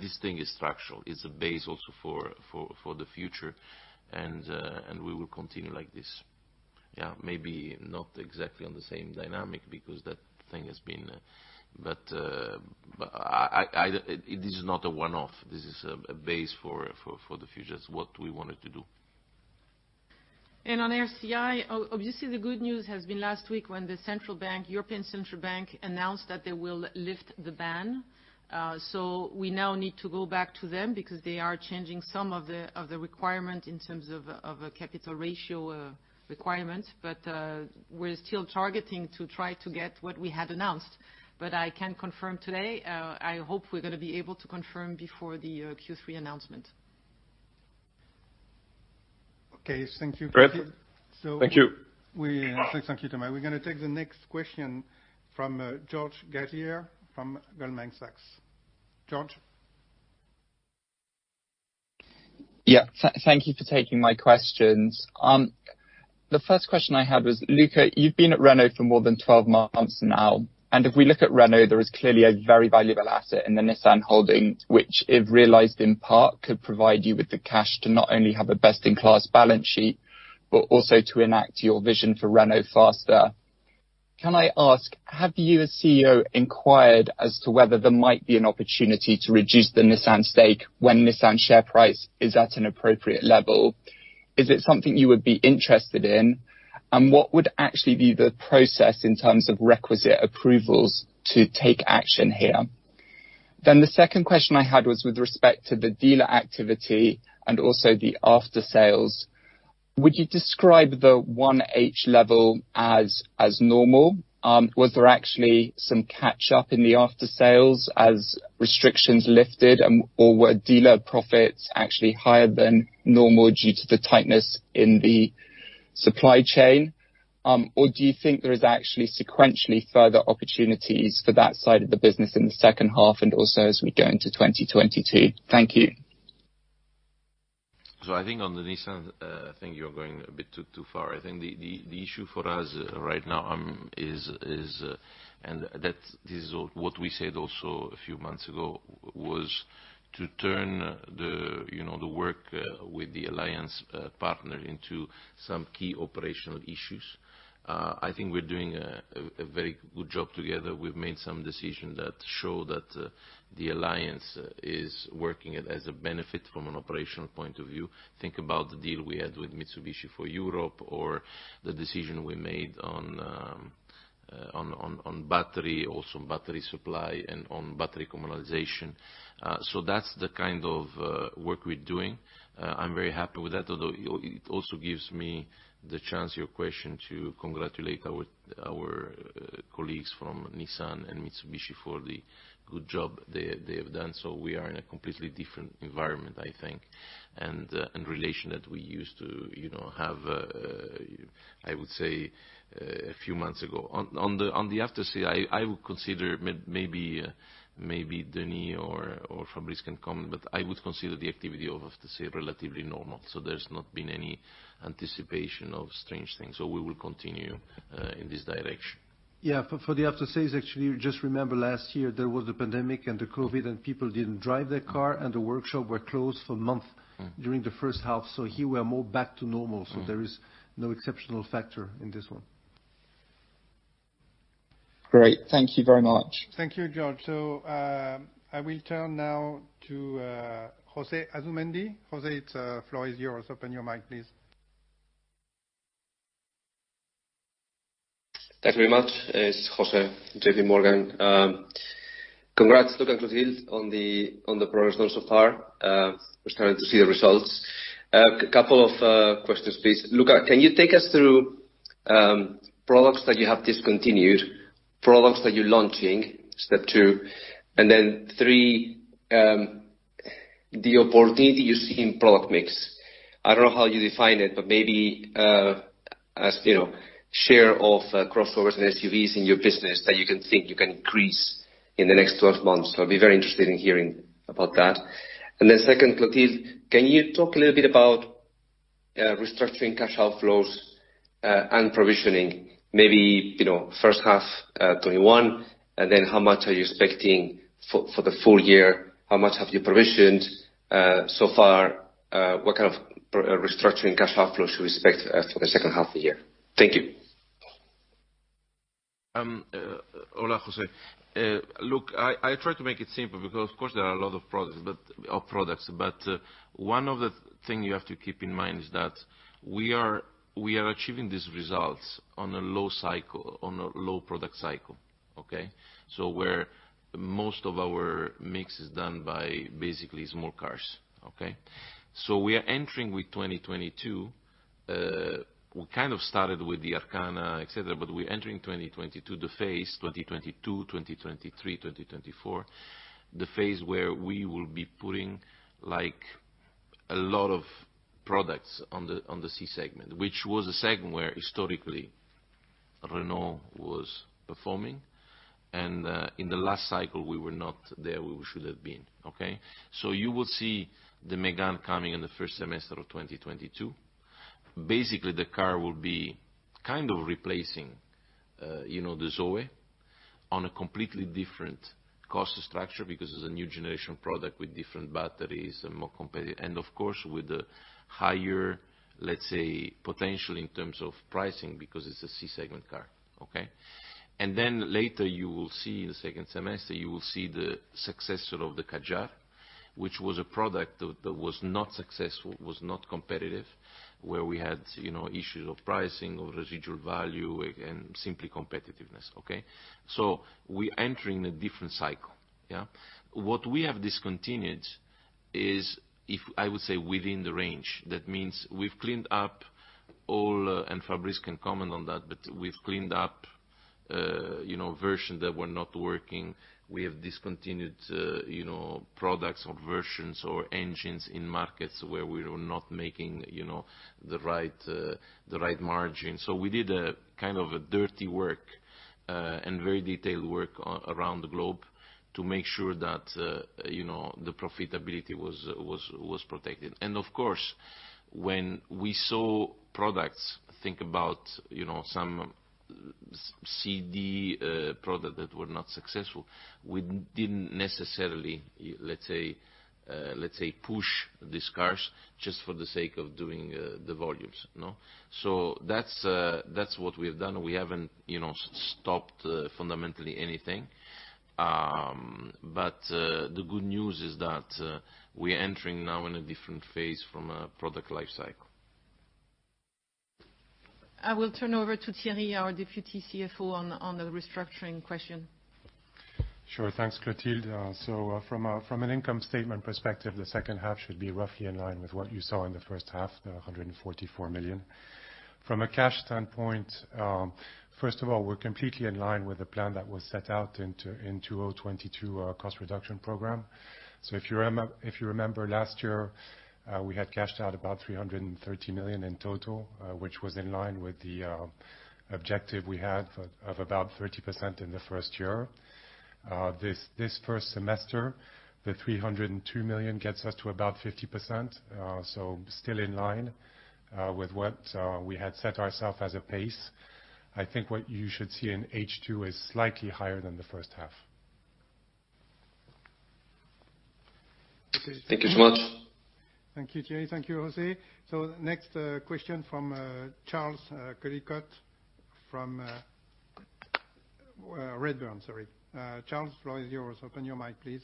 this thing is structural. It's a base also for the future and we will continue like this. Yeah, maybe not exactly on the same dynamic. This is not a one-off. This is a base for the future. It's what we wanted to do. On RCI, obviously the good news has been last week when the European Central Bank announced that they will lift the ban. We now need to go back to them because they are changing some of the requirement in terms of a capital ratio requirement. We're still targeting to try to get what we had announced. I can confirm today, I hope we're going to be able to confirm before the Q3 announcement. Okay. Thank you. Thank you. Thanks. Thank you, Thomas. We're going to take the next question from George Galliers from Goldman Sachs. George? Yeah. Thank you for taking my questions. The first question I had was, Luca, you've been at Renault for more than 12 months now, if we look at Renault, there is clearly a very valuable asset in the Nissan holdings, which if realized in part, could provide you with the cash to not only have a best-in-class balance sheet, but also to enact your vision for Renault faster. Can I ask, have you as CEO inquired as to whether there might be an opportunity to reduce the Nissan stake when Nissan share price is at an appropriate level? Is it something you would be interested in? What would actually be the process in terms of requisite approvals to take action here? The second question I had was with respect to the dealer activity and also the After Sales. Would you describe the 1H level as normal? Was there actually some catch-up in the After Sales as restrictions lifted, or were dealer profits actually higher than normal due to the tightness in the supply chain? Do you think there is actually sequentially further opportunities for that side of the business in the second half and also as we go into 2022? Thank you. I think on the Nissan, I think you're going a bit too far. I think the issue for us right now is, and this is what we said also a few months ago, was to turn the work with the Alliance partner into some key operational issues. I think we're doing a very good job together. We've made some decisions that show that the Alliance is working as a benefit from an operational point of view. Think about the deal we had with Mitsubishi for Europe, or the decision we made on battery supply and on battery commonalization. That's the kind of work we're doing. I'm very happy with that, although it also gives me the chance, your question, to congratulate our colleagues from Nissan and Mitsubishi for the good job they have done. We are in a completely different environment, I think, and relation that we used to have, I would say, a few months ago. On the After Sales, I would consider, maybe Denis or Fabrice can comment, but I would consider the activity of After Sales relatively normal. There's not been any anticipation of strange things. We will continue in this direction. For the aftersales, actually, just remember last year, there was a pandemic and the COVID and people didn't drive their car, and the workshop were closed for a month during the first half. Here, we are more back to normal, so there is no exceptional factor in this one. Great. Thank you very much. Thank you, George. I will turn now to José Asumendi. José, the floor is yours. Open your mic, please. Thank you very much. It's José Asumendi, JPMorgan. Congrats, Luca de Meo and Clotilde Delbos, on the progress done so far. We're starting to see the results. A couple of questions, please. Luca de Meo, can you take us through products that you have discontinued, products that you're launching, step two, and then three, the opportunity you see in product mix. I don't know how you define it, but maybe as share of crossovers and SUVs in your business that you think you can increase in the next 12 months. I'll be very interested in hearing about that. Second, Clotilde Delbos, can you talk a little bit about restructuring cash outflows, and provisioning, maybe first half 2021? How much are you expecting for the full year? How much have you provisioned so far? What kind of restructuring cash outflows should we expect for the second half of the year? Thank you. Hola, José. Look, I try to make it simple because, of course, there are a lot of products. One of the things you have to keep in mind is that we are achieving these results on a low product cycle, okay? Where most of our mix is done by basically small cars. We are entering with 2022. We kind of started with the Arkana, et cetera, but we're entering 2022, the phase 2022, 2023, 2024. The phase where we will be putting a lot of products on the C segment, which was a segment where historically Renault was performing. In the last cycle, we were not there where we should have been. You will see the Mégane coming in the first semester of 2022. Basically, the car will be kind of replacing the Zoe on a completely different cost structure because it's a new generation product with different batteries and more competitive, and of course, with the higher, let's say, potential in terms of pricing because it's a C segment car. Later you will see, in the second semester, you will see the successor of the Kadjar, which was a product that was not successful, was not competitive, where we had issues of pricing or residual value and simply competitiveness. We are entering a different cycle. What we have discontinued is, I would say, within the range. Means we've cleaned up all, and Fabrice can comment on that, but we've cleaned up versions that were not working. We have discontinued products or versions or engines in markets where we were not making the right margin. We did a kind of dirty work, and very detailed work around the globe to make sure that the profitability was protected. Of course, when we saw products, think about some C-D products that were not successful, we didn't necessarily, let's say, push these cars just for the sake of doing the volumes. That's what we have done. We haven't stopped fundamentally anything. The good news is that we are entering now in a different phase from a product life cycle. I will turn over to Thierry, our Deputy CFO, on the restructuring question. Sure. Thanks, Clotilde. From an income statement perspective, the second half should be roughly in line with what you saw in the first half, the 144 million. From a cash standpoint, first of all, we're completely in line with the plan that was set out in 2022 cost reduction program. If you remember last year, we had cashed out about 330 million in total, which was in line with the objective we had of about 30% in the first year. This first semester, the 302 million gets us to about 50%, still in line with what we had set ourself as a pace. I think what you should see in H2 is slightly higher than the first half. Thank you so much. Thank you, Thierry. Thank you, José. Next question from Charles Coldicott from Redburn, sorry. Charles, floor is yours. Open your mic, please.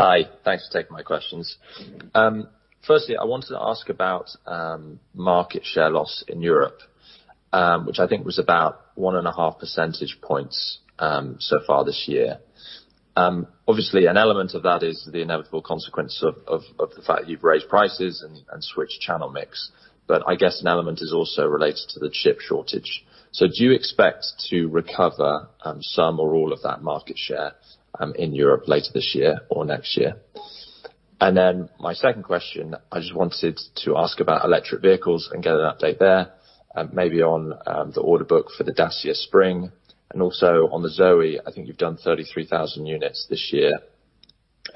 Hi. Thanks for taking my questions. I wanted to ask about market share loss in Europe, which I think was about 1.5 percentage points so far this year. Obviously, an element of that is the inevitable consequence of the fact you've raised prices and switched channel mix. I guess an element is also related to the chip shortage. Do you expect to recover some or all of that market share in Europe later this year or next year? My second question, I just wanted to ask about electric vehicles and get an update there, maybe on the order book for the Dacia Spring. Also on the Zoe, I think you've done 33,000 units this year.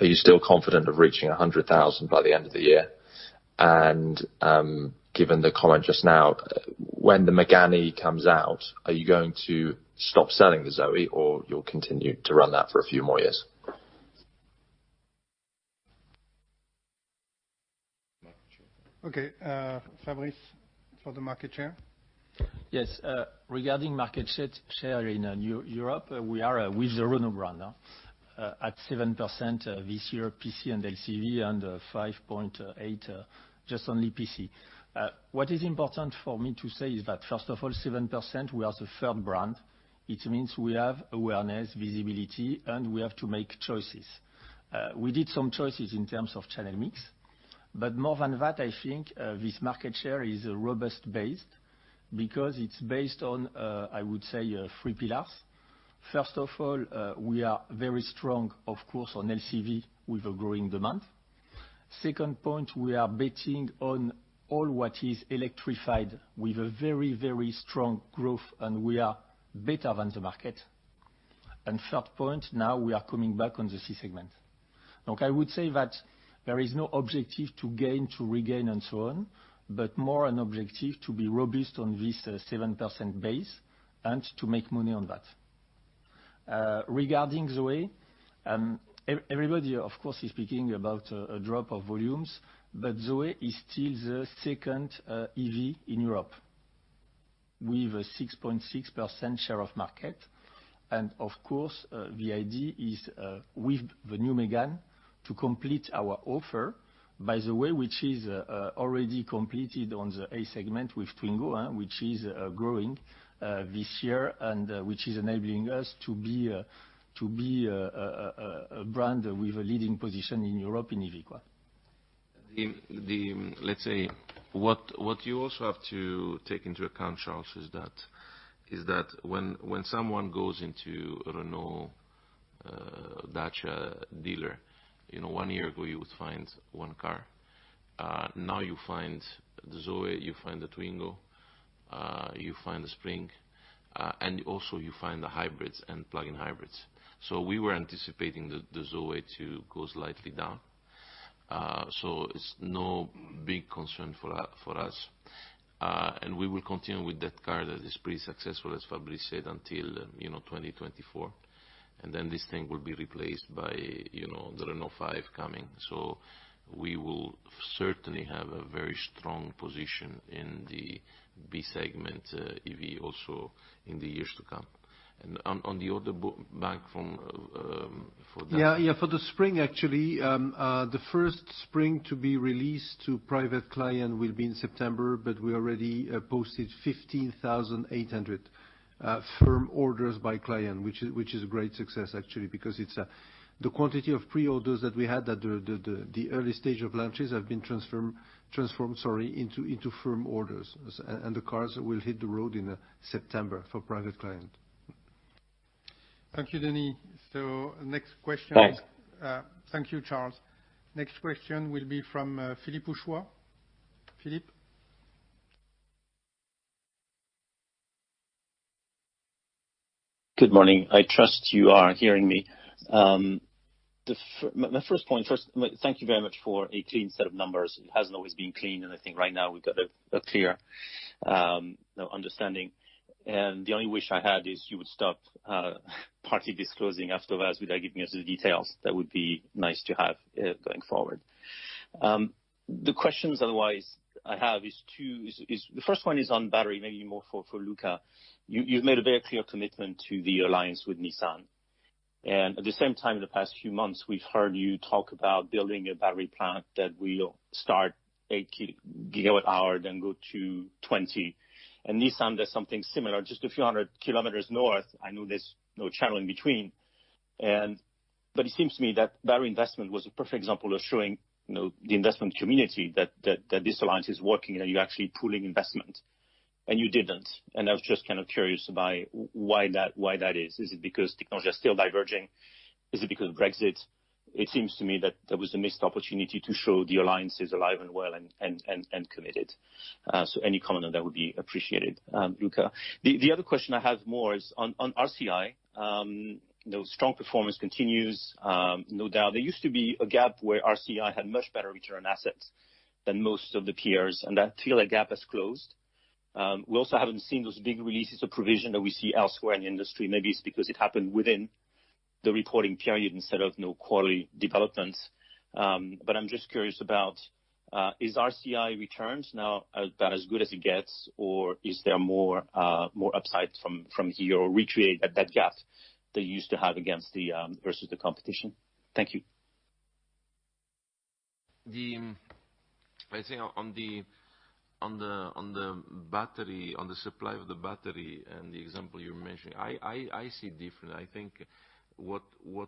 Are you still confident of reaching 100,000 by the end of the year? Given the comment just now, when the Mégane comes out, are you going to stop selling the Zoe, or you'll continue to run that for a few more years? Okay. Fabrice, for the market share. Yes. Regarding market share in Europe, we are with the Renault brand at 7% this year, PC and LCV, and 5.8%, just only PC. What is important for me to say is that, first of all, 7%, we are the third brand. It means we have awareness, visibility, and we have to make choices. We did some choices in terms of channel mix. More than that, I think this market share is robust based, because it's based on, I would say, three pillars. First of all, we are very strong, of course, on LCV with a growing demand. Second point, we are betting on all what is electrified with a very, very strong growth, and we are better than the market. Third point, now we are coming back on the C segment. I would say that there is no objective to gain, to regain and so on, but more an objective to be robust on this 7% base and to make money on that. Regarding Zoe, everybody, of course, is speaking about a drop of volumes, but Zoe is still the second EV in Europe with a 6.6% share of market. Of course, the idea is with the new Mégane to complete our offer, by the way, which is already completed on the A segment with Renault Twingo, which is growing this year, and which is enabling us to be a brand with a leading position in Europe in EV share. Let's say, what you also have to take into account, Charles, is that when someone goes into Renault, Dacia dealer, one year ago you would find one car. Now you find the Zoe, you find the Twingo, you find the Spring, also you find the hybrids and plug-in hybrids. We were anticipating the Zoe to go slightly down. It's no big concern for us. We will continue with that car that is pretty successful, as Fabrice said, until 2024. This thing will be replaced by the Renault 5 coming. We will certainly have a very strong position in the B segment EV also in the years to come. On the order bank from, for that- Yeah, for the Renault Spring, actually, the first Renault Spring to be released to private client will be in September, but we already posted 15,800 firm orders by client, which is a great success, actually, because the quantity of pre-orders that we had at the early stage of launches have been transformed into firm orders. The cars will hit the road in September for private client. Thank you, Denis. Next question. Thanks. Thank you, Charles. Next question will be from Philippe Houchois. Philippe? Good morning. I trust you are hearing me. My first point, first, thank you very much for a clean set of numbers. It hasn't always been clean, I think right now we've got a clear understanding. The only wish I had is you would stop partly disclosing afterwards without giving us the details. That would be nice to have going forward. The questions, otherwise, I have is two. The first one is on battery, maybe more for Luca. You've made a very clear commitment to the alliance with Nissan. At the same time, in the past few months, we've heard you talk about building a battery plant that will start 8 GWh, then go to 20 GWh. Nissan does something similar just a few 100 km north. I know there's no channel in between. It seems to me that that investment was a perfect example of showing the investment community that this alliance is working, and you're actually pooling investment, and you didn't. I was just kind of curious by why that is. Is it because technology is still diverging? Is it because of Brexit? It seems to me that there was a missed opportunity to show the alliance is alive and well and committed. Any comment on that would be appreciated, Luca. The other question I have more is on RCI. Strong performance continues, no doubt. There used to be a gap where RCI had much better return assets than most of the peers, and I feel that gap has closed. We also haven't seen those big releases of provision that we see elsewhere in the industry. Maybe it's because it happened within the reporting period instead of no quarterly developments. I'm just curious about, is RCI returns now about as good as it gets, or is there more upside from here, or recreate that gap that you used to have versus the competition? Thank you. I think on the supply of the battery and the example you mentioned, I see different. I think what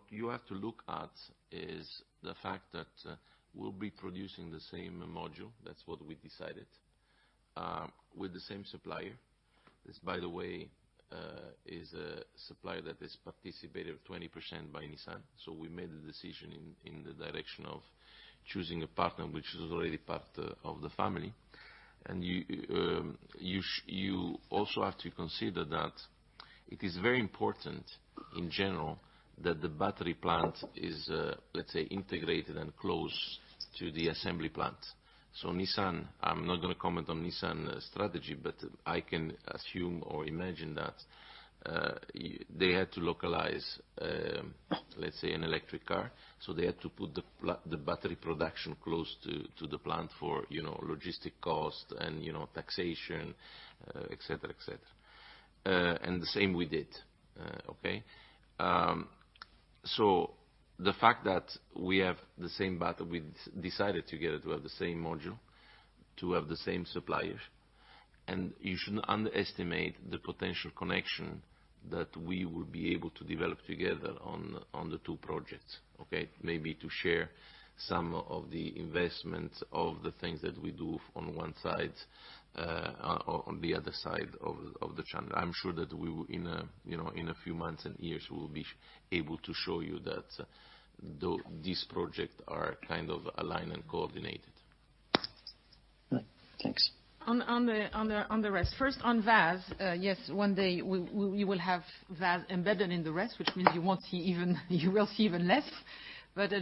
you have to look at is the fact that we'll be producing the same module. That's what we decided. With the same supplier. This, by the way, is a supplier that is participated 20% by Nissan. We made the decision in the direction of choosing a partner which is already part of the family. You also have to consider that it is very important in general that the battery plant is, let's say, integrated and close to the assembly plant. Nissan, I'm not going to comment on Nissan strategy, but I can assume or imagine that they had to localize, let's say, an electric car. They had to put the battery production close to the plant for logistic cost and taxation, et cetera. The same we did. Okay. The fact that we have the same battery, we decided together to have the same module, to have the same suppliers, and you shouldn't underestimate the potential connection that we will be able to develop together on the two projects. Okay. Maybe to share some of the investments of the things that we do on one side, on the other side of the channel. I'm sure that in a few months and years, we will be able to show you that these projects are kind of aligned and coordinated. Right. Thanks. On the rest. First, on AvtoVAZ. Yes, one day we will have AvtoVAZ embedded in the rest, which means you will see even less.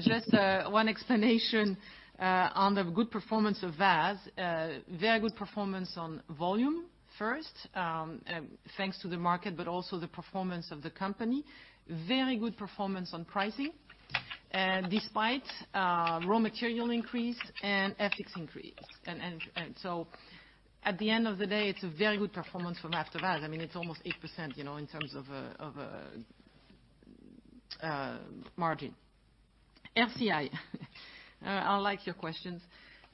Just one explanation on the good performance of AvtoVAZ. Very good performance on volume, first, thanks to the market, but also the performance of the company. Very good performance on pricing, despite raw material increase and FX increase. At the end of the day, it's a very good performance from after AvtoVAZ. It's almost 8% in terms of margin. RCI. I like your questions.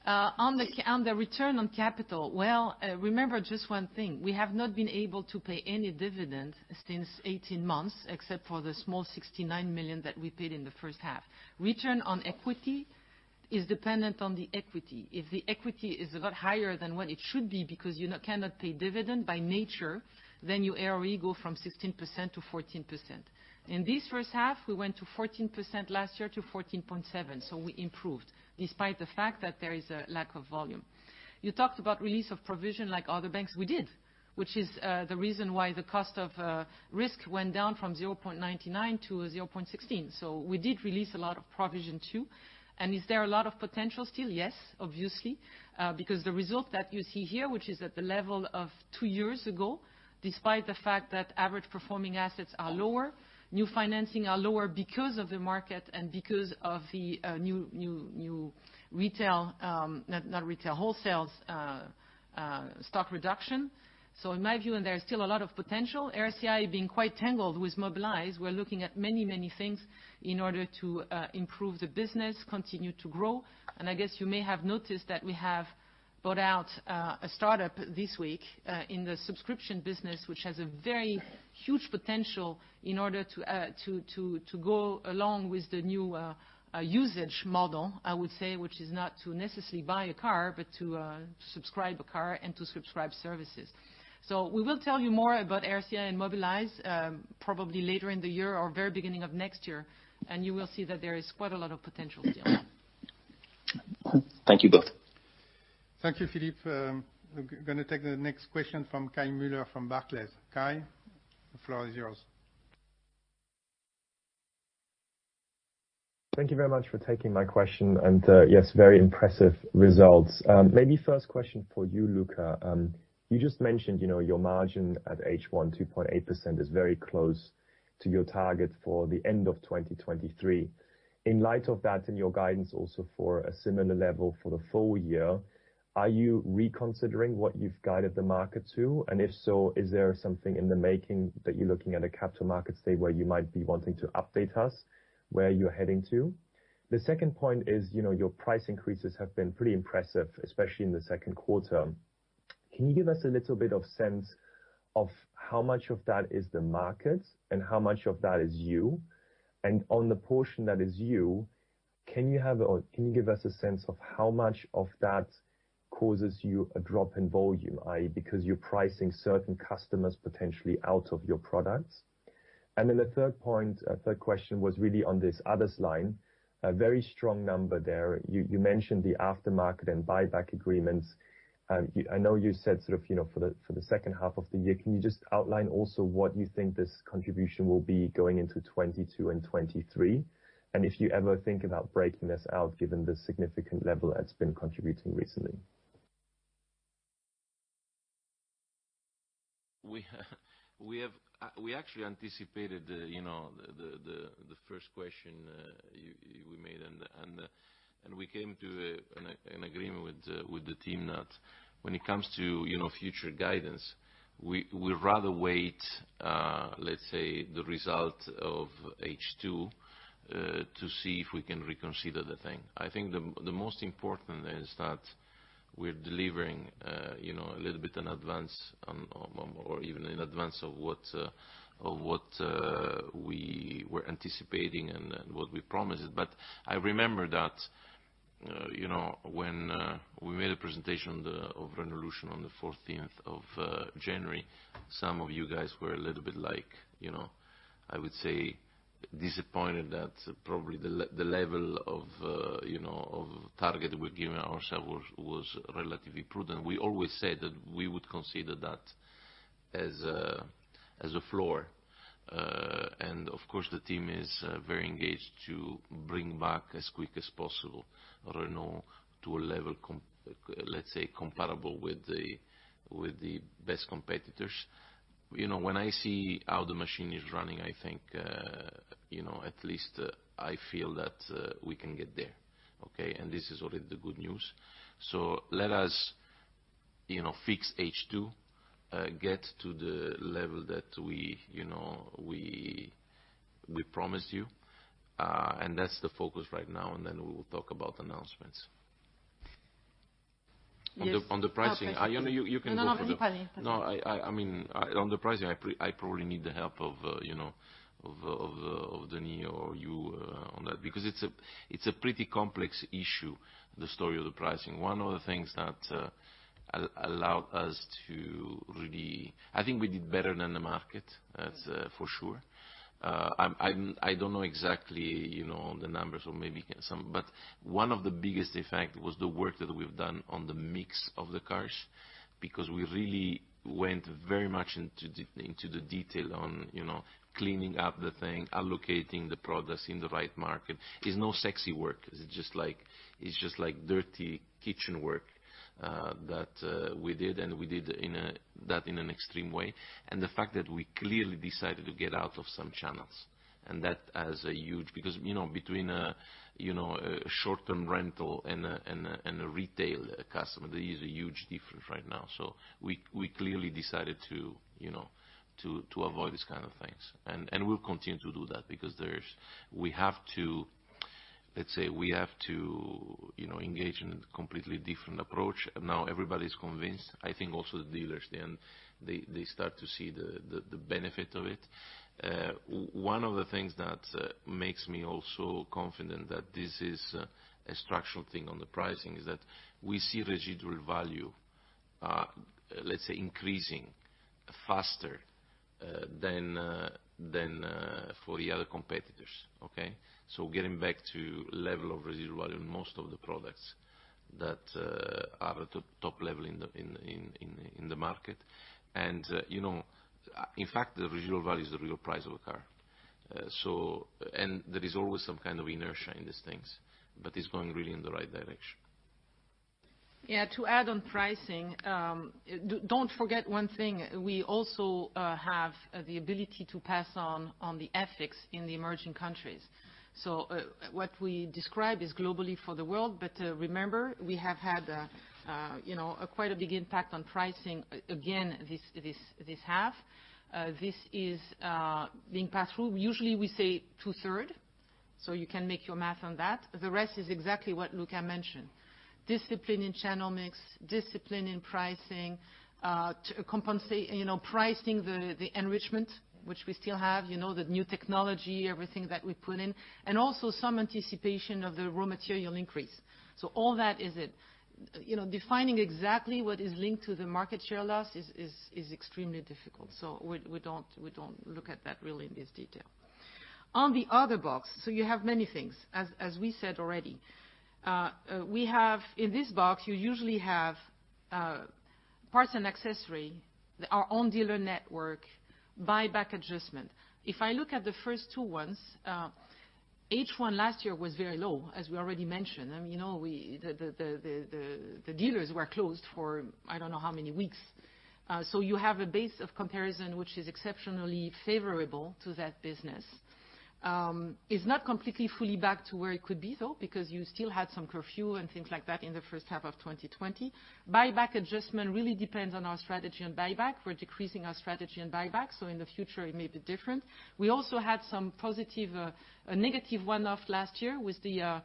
On the return on capital. Well, remember just one thing. We have not been able to pay any dividends since 18 months, except for the small 69 million that we paid in the first half. Return on equity is dependent on the equity. If the equity is a lot higher than what it should be, because you cannot pay dividend by nature, then your ROE go from 16%-4%. In this first half, we went to 14% last year to 14.7%. We improved, despite the fact that there is a lack of volume. You talked about release of provision like other banks. We did, which is the reason why the cost of risk went down from 0.99%-0.16%. We did release a lot of provision, too. Is there a lot of potential still? Yes, obviously. The result that you see here, which is at the level of two years ago, despite the fact that average performing assets are lower, new financing are lower because of the market and because of the new wholesale stock reduction. In my view, there is still a lot of potential. RCI being quite tangled with Mobilize Financial Services. We're looking at many things in order to improve the business, continue to grow. I guess you may have noticed that we have brought out a startup this week, in the subscription business, which has a very huge potential in order to go along with the new usage model, I would say, which is not to necessarily buy a car, but to subscribe a car and to subscribe services. We will tell you more about RCI and Mobilize Financial Services, probably later in the year or very beginning of next year, and you will see that there is quite a lot of potential still. Thank you both. Thank you, Philippe. We're going to take the next question from Kai Alexander Mueller from Barclays. Kai, the floor is yours. Thank you very much for taking my question. Yes, very impressive results. Maybe first question for you, Luca. You just mentioned, your margin at H1, 2.8% is very close to your target for the end of 2023. In light of that and your guidance also for a similar level for the full year, are you reconsidering what you've guided the market to? If so, is there something in the making that you're looking at a Capital Markets Day where you might be wanting to update us where you're heading to? The second point is, your price increases have been pretty impressive, especially in the second quarter. Can you give us a little bit of sense of how much of that is the market and how much of that is you? On the portion that is you, can you give us a sense of how much of that causes you a drop in volume, i.e., because you're pricing certain customers potentially out of your products? The third question was really on this others line, a very strong number there. You mentioned the aftermarket and buyback agreements. I know you said for the second half of the year. Can you just outline also what you think this contribution will be going into 2022 and 2023? If you ever think about breaking this out, given the significant level it's been contributing recently. We actually anticipated the first question we made. We came to an agreement with the team that when it comes to future guidance, we rather wait, let's say, the result of H2, to see if we can reconsider the thing. I think the most important is that we're delivering a little bit in advance or even in advance of what we were anticipating and what we promised. I remember that when we made a presentation of Renaulution on the 14th of January, some of you guys were a little bit like, disappointed that probably the level of target we're giving ourselves was relatively prudent. We always said that we would consider that as a floor. Of course, the team is very engaged to bring back as quick as possible, Renault to a level, let's say, comparable with the best competitors. When I see how the machine is running, I think, at least I feel that we can get there. Okay? This is already the good news. Let us fix H2, get to the level that we promised you, and that's the focus right now, and then we will talk about announcements. Yes. On the pricing. Oh, pricing. You can go for it. No, pardon. On the pricing, I probably need the help of Denis Le Vot or you on that because it's a pretty complex issue, the story of the pricing. One of the things that allowed us to really I think we did better than the market, that's for sure. I don't know exactly the numbers or maybe some, one of the biggest effect was the work that we've done on the mix of the cars, because we really went very much into the detail on cleaning up the thing, allocating the products in the right market. It's no sexy work. It's just like dirty kitchen work, that we did, we did that in an extreme way. The fact that we clearly decided to get out of some channels. That has a huge because between short-term rental and a retail customer, there is a huge difference right now. We clearly decided to avoid these kind of things. We'll continue to do that because we have to engage in a completely different approach. Everybody's convinced, I think also the dealers then, they start to see the benefit of it. One of the things that makes me also confident that this is a structural thing on the pricing is that we see residual value, let's say, increasing faster than for the other competitors. Okay? Getting back to level of residual value on most of the products that are at the top level in the market. In fact, the residual value is the real price of a car. There is always some kind of inertia in these things, but it's going really in the right direction. Yeah, to add on pricing, don't forget one thing. We also have the ability to pass on the FX in the emerging countries. What we describe is globally for the world, but remember, we have had quite a big impact on pricing again, this half. This is being passed through, usually we say two third, so you can make your math on that. The rest is exactly what Luca mentioned. Discipline in channel mix, discipline in pricing the enrichment, which we still have. The new technology, everything that we put in, and also some anticipation of the raw material increase. All that is it. Defining exactly what is linked to the market share loss is extremely difficult. We don't look at that really in this detail. On the other box, so you have many things, as we said already. In this box, you usually have parts and accessory, our own dealer network, buyback adjustment. I look at the first two ones, H1 last year was very low, as we already mentioned. The dealers were closed for I don't know how many weeks. You have a base of comparison, which is exceptionally favorable to that business. It's not completely fully back to where it could be though, because you still had some curfew and things like that in the first half of 2020. Buyback adjustment really depends on our strategy on buyback. We're decreasing our strategy on buyback, in the future, it may be different. We also had some negative one-off last year with the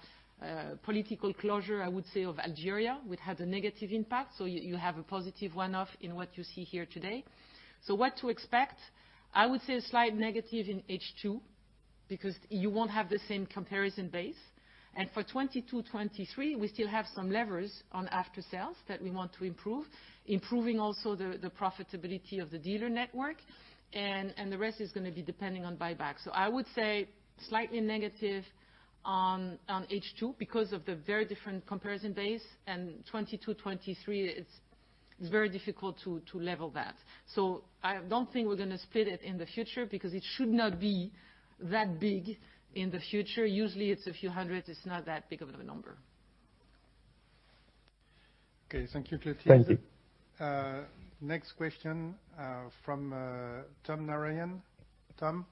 political closure, I would say, of Algeria, which had a negative impact. You have a positive one-off in what you see here today. What to expect? I would say a slight negative in H2, because you won't have the same comparison base. For 2022, 2023, we still have some levers on After Sales that we want to improve. Improving also the profitability of the dealer network. The rest is going to be depending on buyback. I would say slightly negative on H2 because of the very different comparison base and 2022, 2023, it's very difficult to level that. I don't think we're going to split it in the future because it should not be that big in the future. Usually it's a few hundred. It's not that big of a number. Okay. Thank you, Clotilde. Thank you. Next question from Tom Narayan. Tom?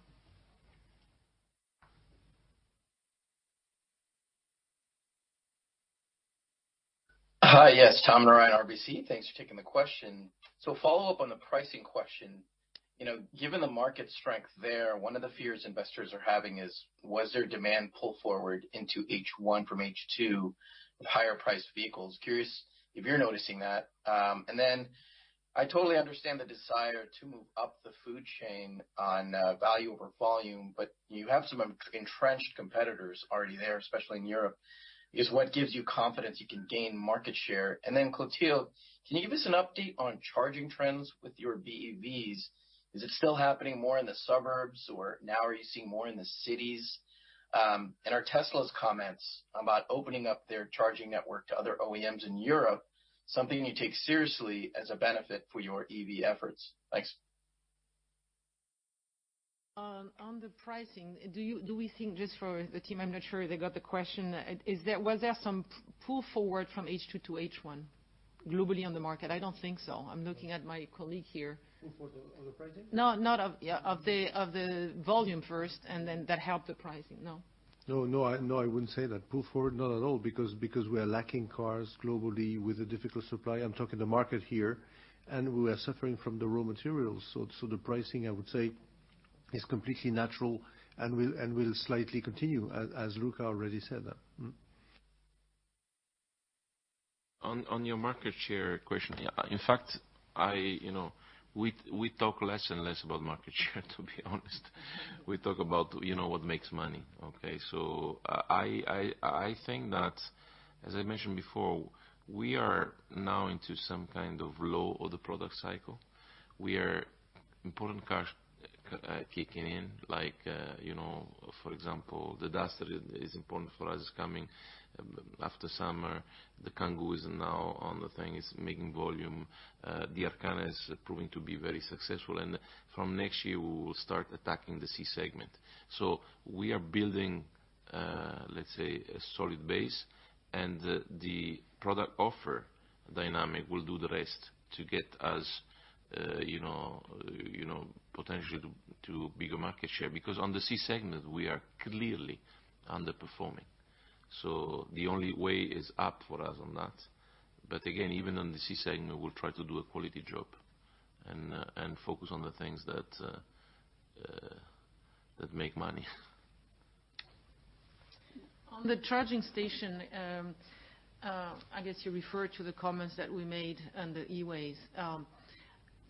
Hi. Yes, Tom Narayan, RBC Capital Markets. Thanks for taking the question. Follow up on the pricing question. Given the market strength there, one of the fears investors are having is, was there demand pull forward into H1 from H2 with higher priced vehicles? Curious if you're noticing that? I totally understand the desire to move up the food chain on value over volume, but you have some entrenched competitors already there, especially in Europe. Is what gives you confidence you can gain market share? Clotilde, can you give us an update on charging trends with your BEVs? Is it still happening more in the suburbs, or now are you seeing more in the cities? Are Tesla's comments about opening up their charging network to other OEMs in Europe something you take seriously as a benefit for your EV efforts? Thanks. On the pricing, do we think, just for the team, I'm not sure they got the question, was there some pull forward from H2-H1 globally on the market? I don't think so. I'm looking at my colleague here. Pull forward on the pricing? No, of the volume first, and then that helped the pricing. No? No, I wouldn't say that. Pull forward, not at all, because we are lacking cars globally with a difficult supply. I'm talking the market here. We are suffering from the raw materials. The pricing, I would say, is completely natural and will slightly continue, as Luca already said that. On your market share question. In fact, we talk less and less about market share, to be honest. We talk about what makes money. I think that, as I mentioned before, we are now into some kind of low of the product cycle. Important cars are kicking in, like, for example, the Renault Duster is important for us, is coming after summer. The Kangoo is now on the thing, is making volume. The Arkana is proving to be very successful. From next year, we will start attacking the C-segment. We are building, let's say, a solid base, and the product offer dynamic will do the rest to get us potentially to bigger market share. Because on the C-segment, we are clearly underperforming. The only way is up for us on that. Again, even on the C-segment, we'll try to do a quality job and focus on the things that make money. On the charging station, I guess you refer to the comments that we made on the eWays.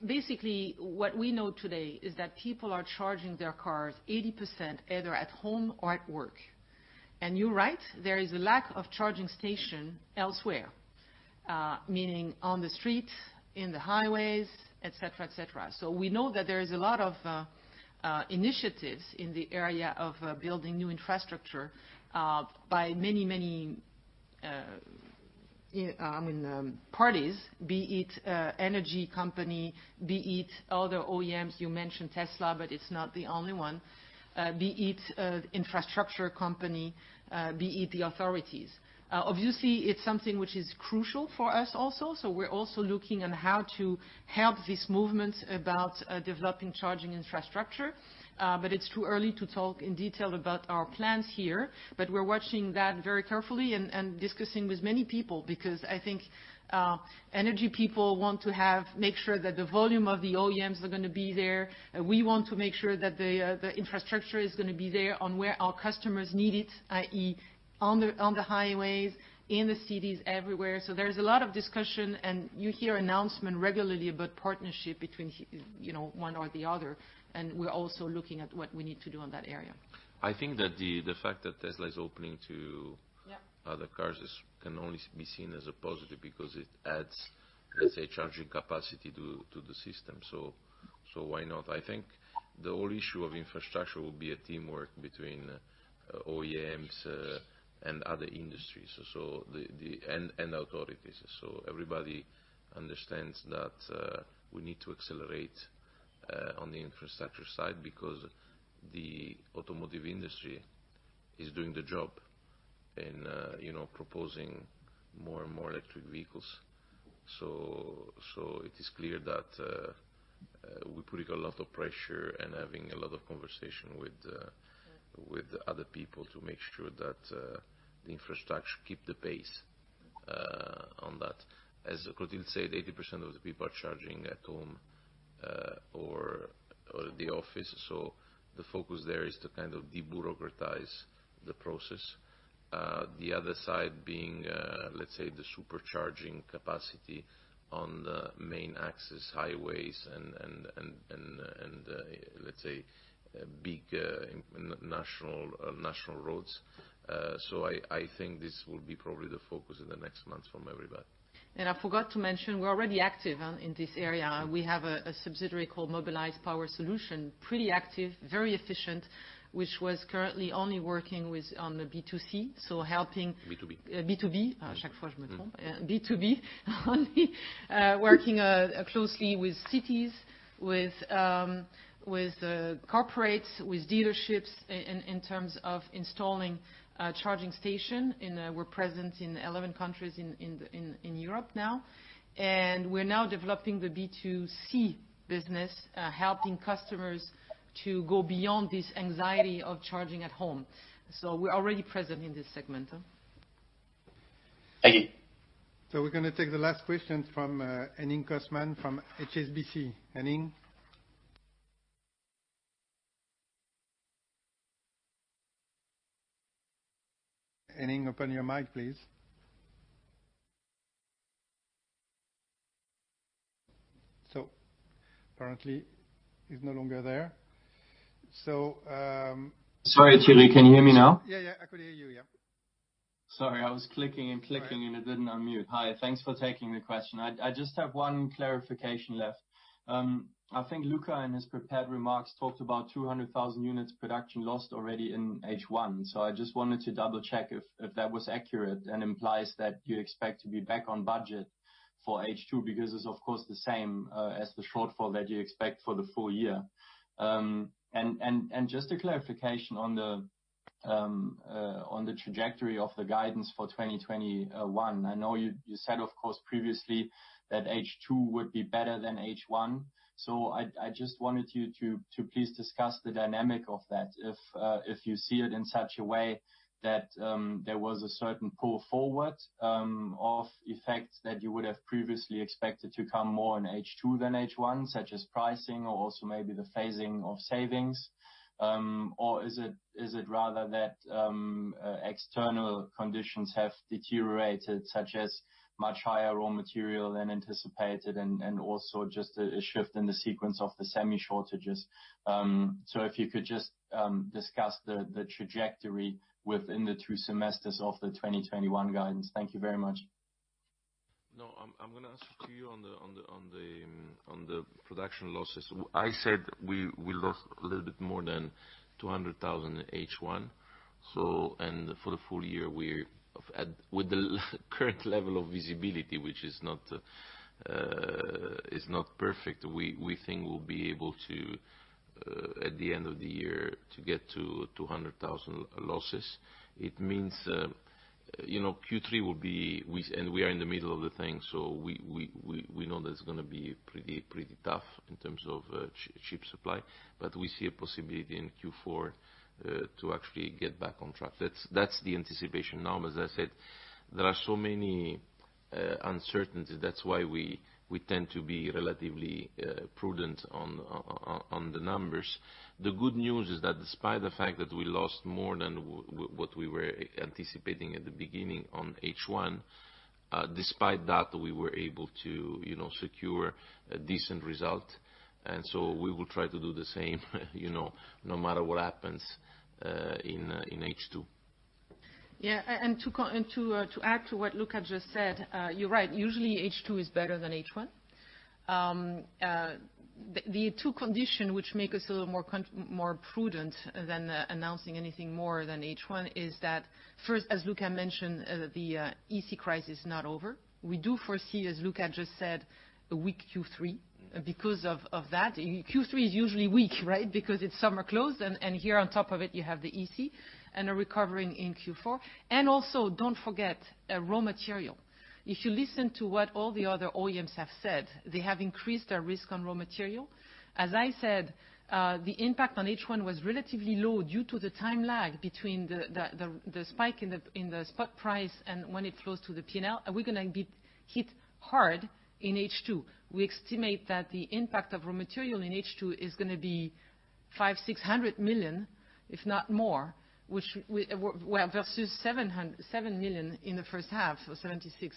Basically, what we know today is that people are charging their cars 80% either at home or at work. You're right, there is a lack of charging station elsewhere, meaning on the street, in the highways, et cetera. We know that there is a lot of initiatives in the area of building new infrastructure, by many parties, be it energy company, be it other OEMs. You mentioned Tesla, but it's not the only one. Be it infrastructure company, be it the authorities. Obviously, it's something which is crucial for us also, so we're also looking on how to help this movement about developing charging infrastructure. It's too early to talk in detail about our plans here, but we're watching that very carefully and discussing with many people, because I think energy people want to make sure that the volume of the OEMs are going to be there. We want to make sure that the infrastructure is going to be there on where our customers need it, i.e., on the highways, in the cities, everywhere. There's a lot of discussion, and you hear announcement regularly about partnership between one or the other, and we're also looking at what we need to do on that area. I think that the fact that Tesla is opening to other cars can only be seen as a positive because it adds, let's say, charging capacity to the system. Why not? I think the whole issue of infrastructure will be a teamwork between OEMs and other industries and authorities. Everybody understands that we need to accelerate on the infrastructure side because the automotive industry is doing the job in proposing more and more electric vehicles. It is clear that we're putting a lot of pressure and having a lot of conversation with other people to make sure that the infrastructure keep the pace on that. As Clotilde said, 80% of the people are charging at home or the office, so the focus there is to kind of de-bureaucratize the process. The other side being, let's say, the super charging capacity on the main access highways and, let's say, big national roads. I think this will be probably the focus in the next months from everybody. I forgot to mention, we're already active in this area. We have a subsidiary called Mobilize Power Solutions, pretty active, very efficient, which was currently only working with on the B2C. B2B. B2B. Yeah. Working closely with cities, with corporates, with dealerships in terms of installing a charging station, and we're present in 11 countries in Europe now. We're now developing the B2C business, helping customers to go beyond this anxiety of charging at home. We're already present in this segment. Thank you. We're going to take the last question from Henning Cosman from HSBC. Henning? Henning, open your mic, please. Apparently, he's no longer there. Sorry, Thierry, can you hear me now? Yeah. I could hear you, yeah. Sorry, I was clicking and clicking, and it didn't unmute. Hi. Thanks for taking the question. I just have one clarification left. I think Luca, in his prepared remarks, talked about 200,000 units production lost already in H1. I just wanted to double-check if that was accurate and implies that you expect to be back on budget for H2, because it's of course the same as the shortfall that you expect for the full year. Just a clarification on the trajectory of the guidance for 2021. I know you said, of course, previously that H2 would be better than H1. I just wanted you to please discuss the dynamic of that. If you see it in such a way that there was a certain pull forward of effects that you would have previously expected to come more in H2 than H1, such as pricing or also maybe the phasing of savings. Is it rather that external conditions have deteriorated, such as much higher raw material than anticipated and also just a shift in the sequence of the semi shortages? If you could just discuss the trajectory within the two semesters of the 2021 guidance. Thank you very much. No, I'm going to answer to you on the production losses. I said we lost a little bit more than 200,000 units in H1. For the full year, with the current level of visibility, which is not perfect, we think we'll be able to, at the end of the year, to get to 200,000 losses. It means Q3 will be. We are in the middle of the thing, so we know that it's going to be pretty tough in terms of chip supply. We see a possibility in Q4 to actually get back on track. That's the anticipation. As I said, there are so many uncertainties. That's why we tend to be relatively prudent on the numbers. The good news is that despite the fact that we lost more than what we were anticipating at the beginning on H1, despite that, we were able to secure a decent result. We will try to do the same no matter what happens in H2. Yeah. To add to what Luca just said, you're right. Usually H2 is better than H1. The two conditions which make us a little more prudent than announcing anything more than H1 is that first, as Luca mentioned, the semiconductor crisis is not over. We do foresee, as Luca just said, a weak Q3 because of that. Q3 is usually weak, right? Because it's summer close, and here on top of it, you have the semiconductor, and a recovery in Q4. Also, don't forget, raw material. If you listen to what all the other OEMs have said, they have increased their risk on raw material. As I said, the impact on H1 was relatively low due to the time lag between the spike in the spot price and when it flows to the P&L, and we're going to be hit hard in H2. We estimate that the impact of raw material in H2 is going to be 500 million-600 million, if not more, versus 7 million in the first half. Or 76.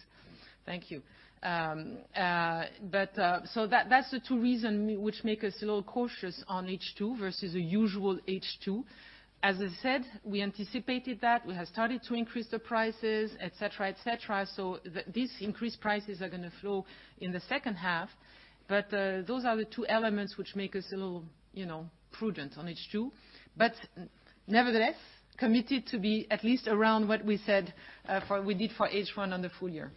Thank you. That's the two reasons which make us a little cautious on H2 versus a usual H2. As I said, we anticipated that. We have started to increase the prices, et cetera. These increased prices are going to flow in the second half. Those are the two elements which make us a little prudent on H2. Nevertheless, committed to be at least around what we said we did for H1 on the full year.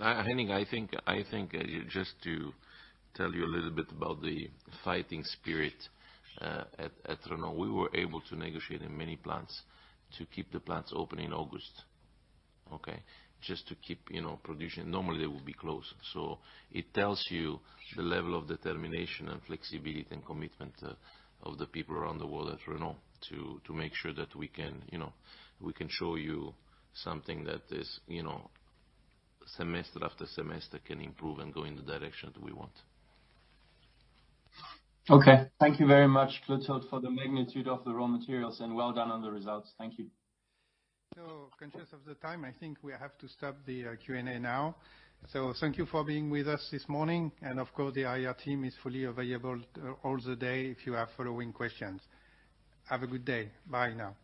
Henning, I think just to tell you a little bit about the fighting spirit at Renault, we were able to negotiate in many plants to keep the plants open in August. Okay? Just to keep production. Normally, they would be closed. It tells you the level of determination and flexibility and commitment of the people around the world at Renault to make sure that we can show you something that is semester after semester can improve and go in the direction that we want. Okay. Thank you very much, Clotilde, for the magnitude of the raw materials, and well done on the results. Thank you. Conscious of the time, I think we have to stop the Q&A now. Thank you for being with us this morning. Of course, the IR team is fully available all day if you have following questions. Have a good day. Bye now.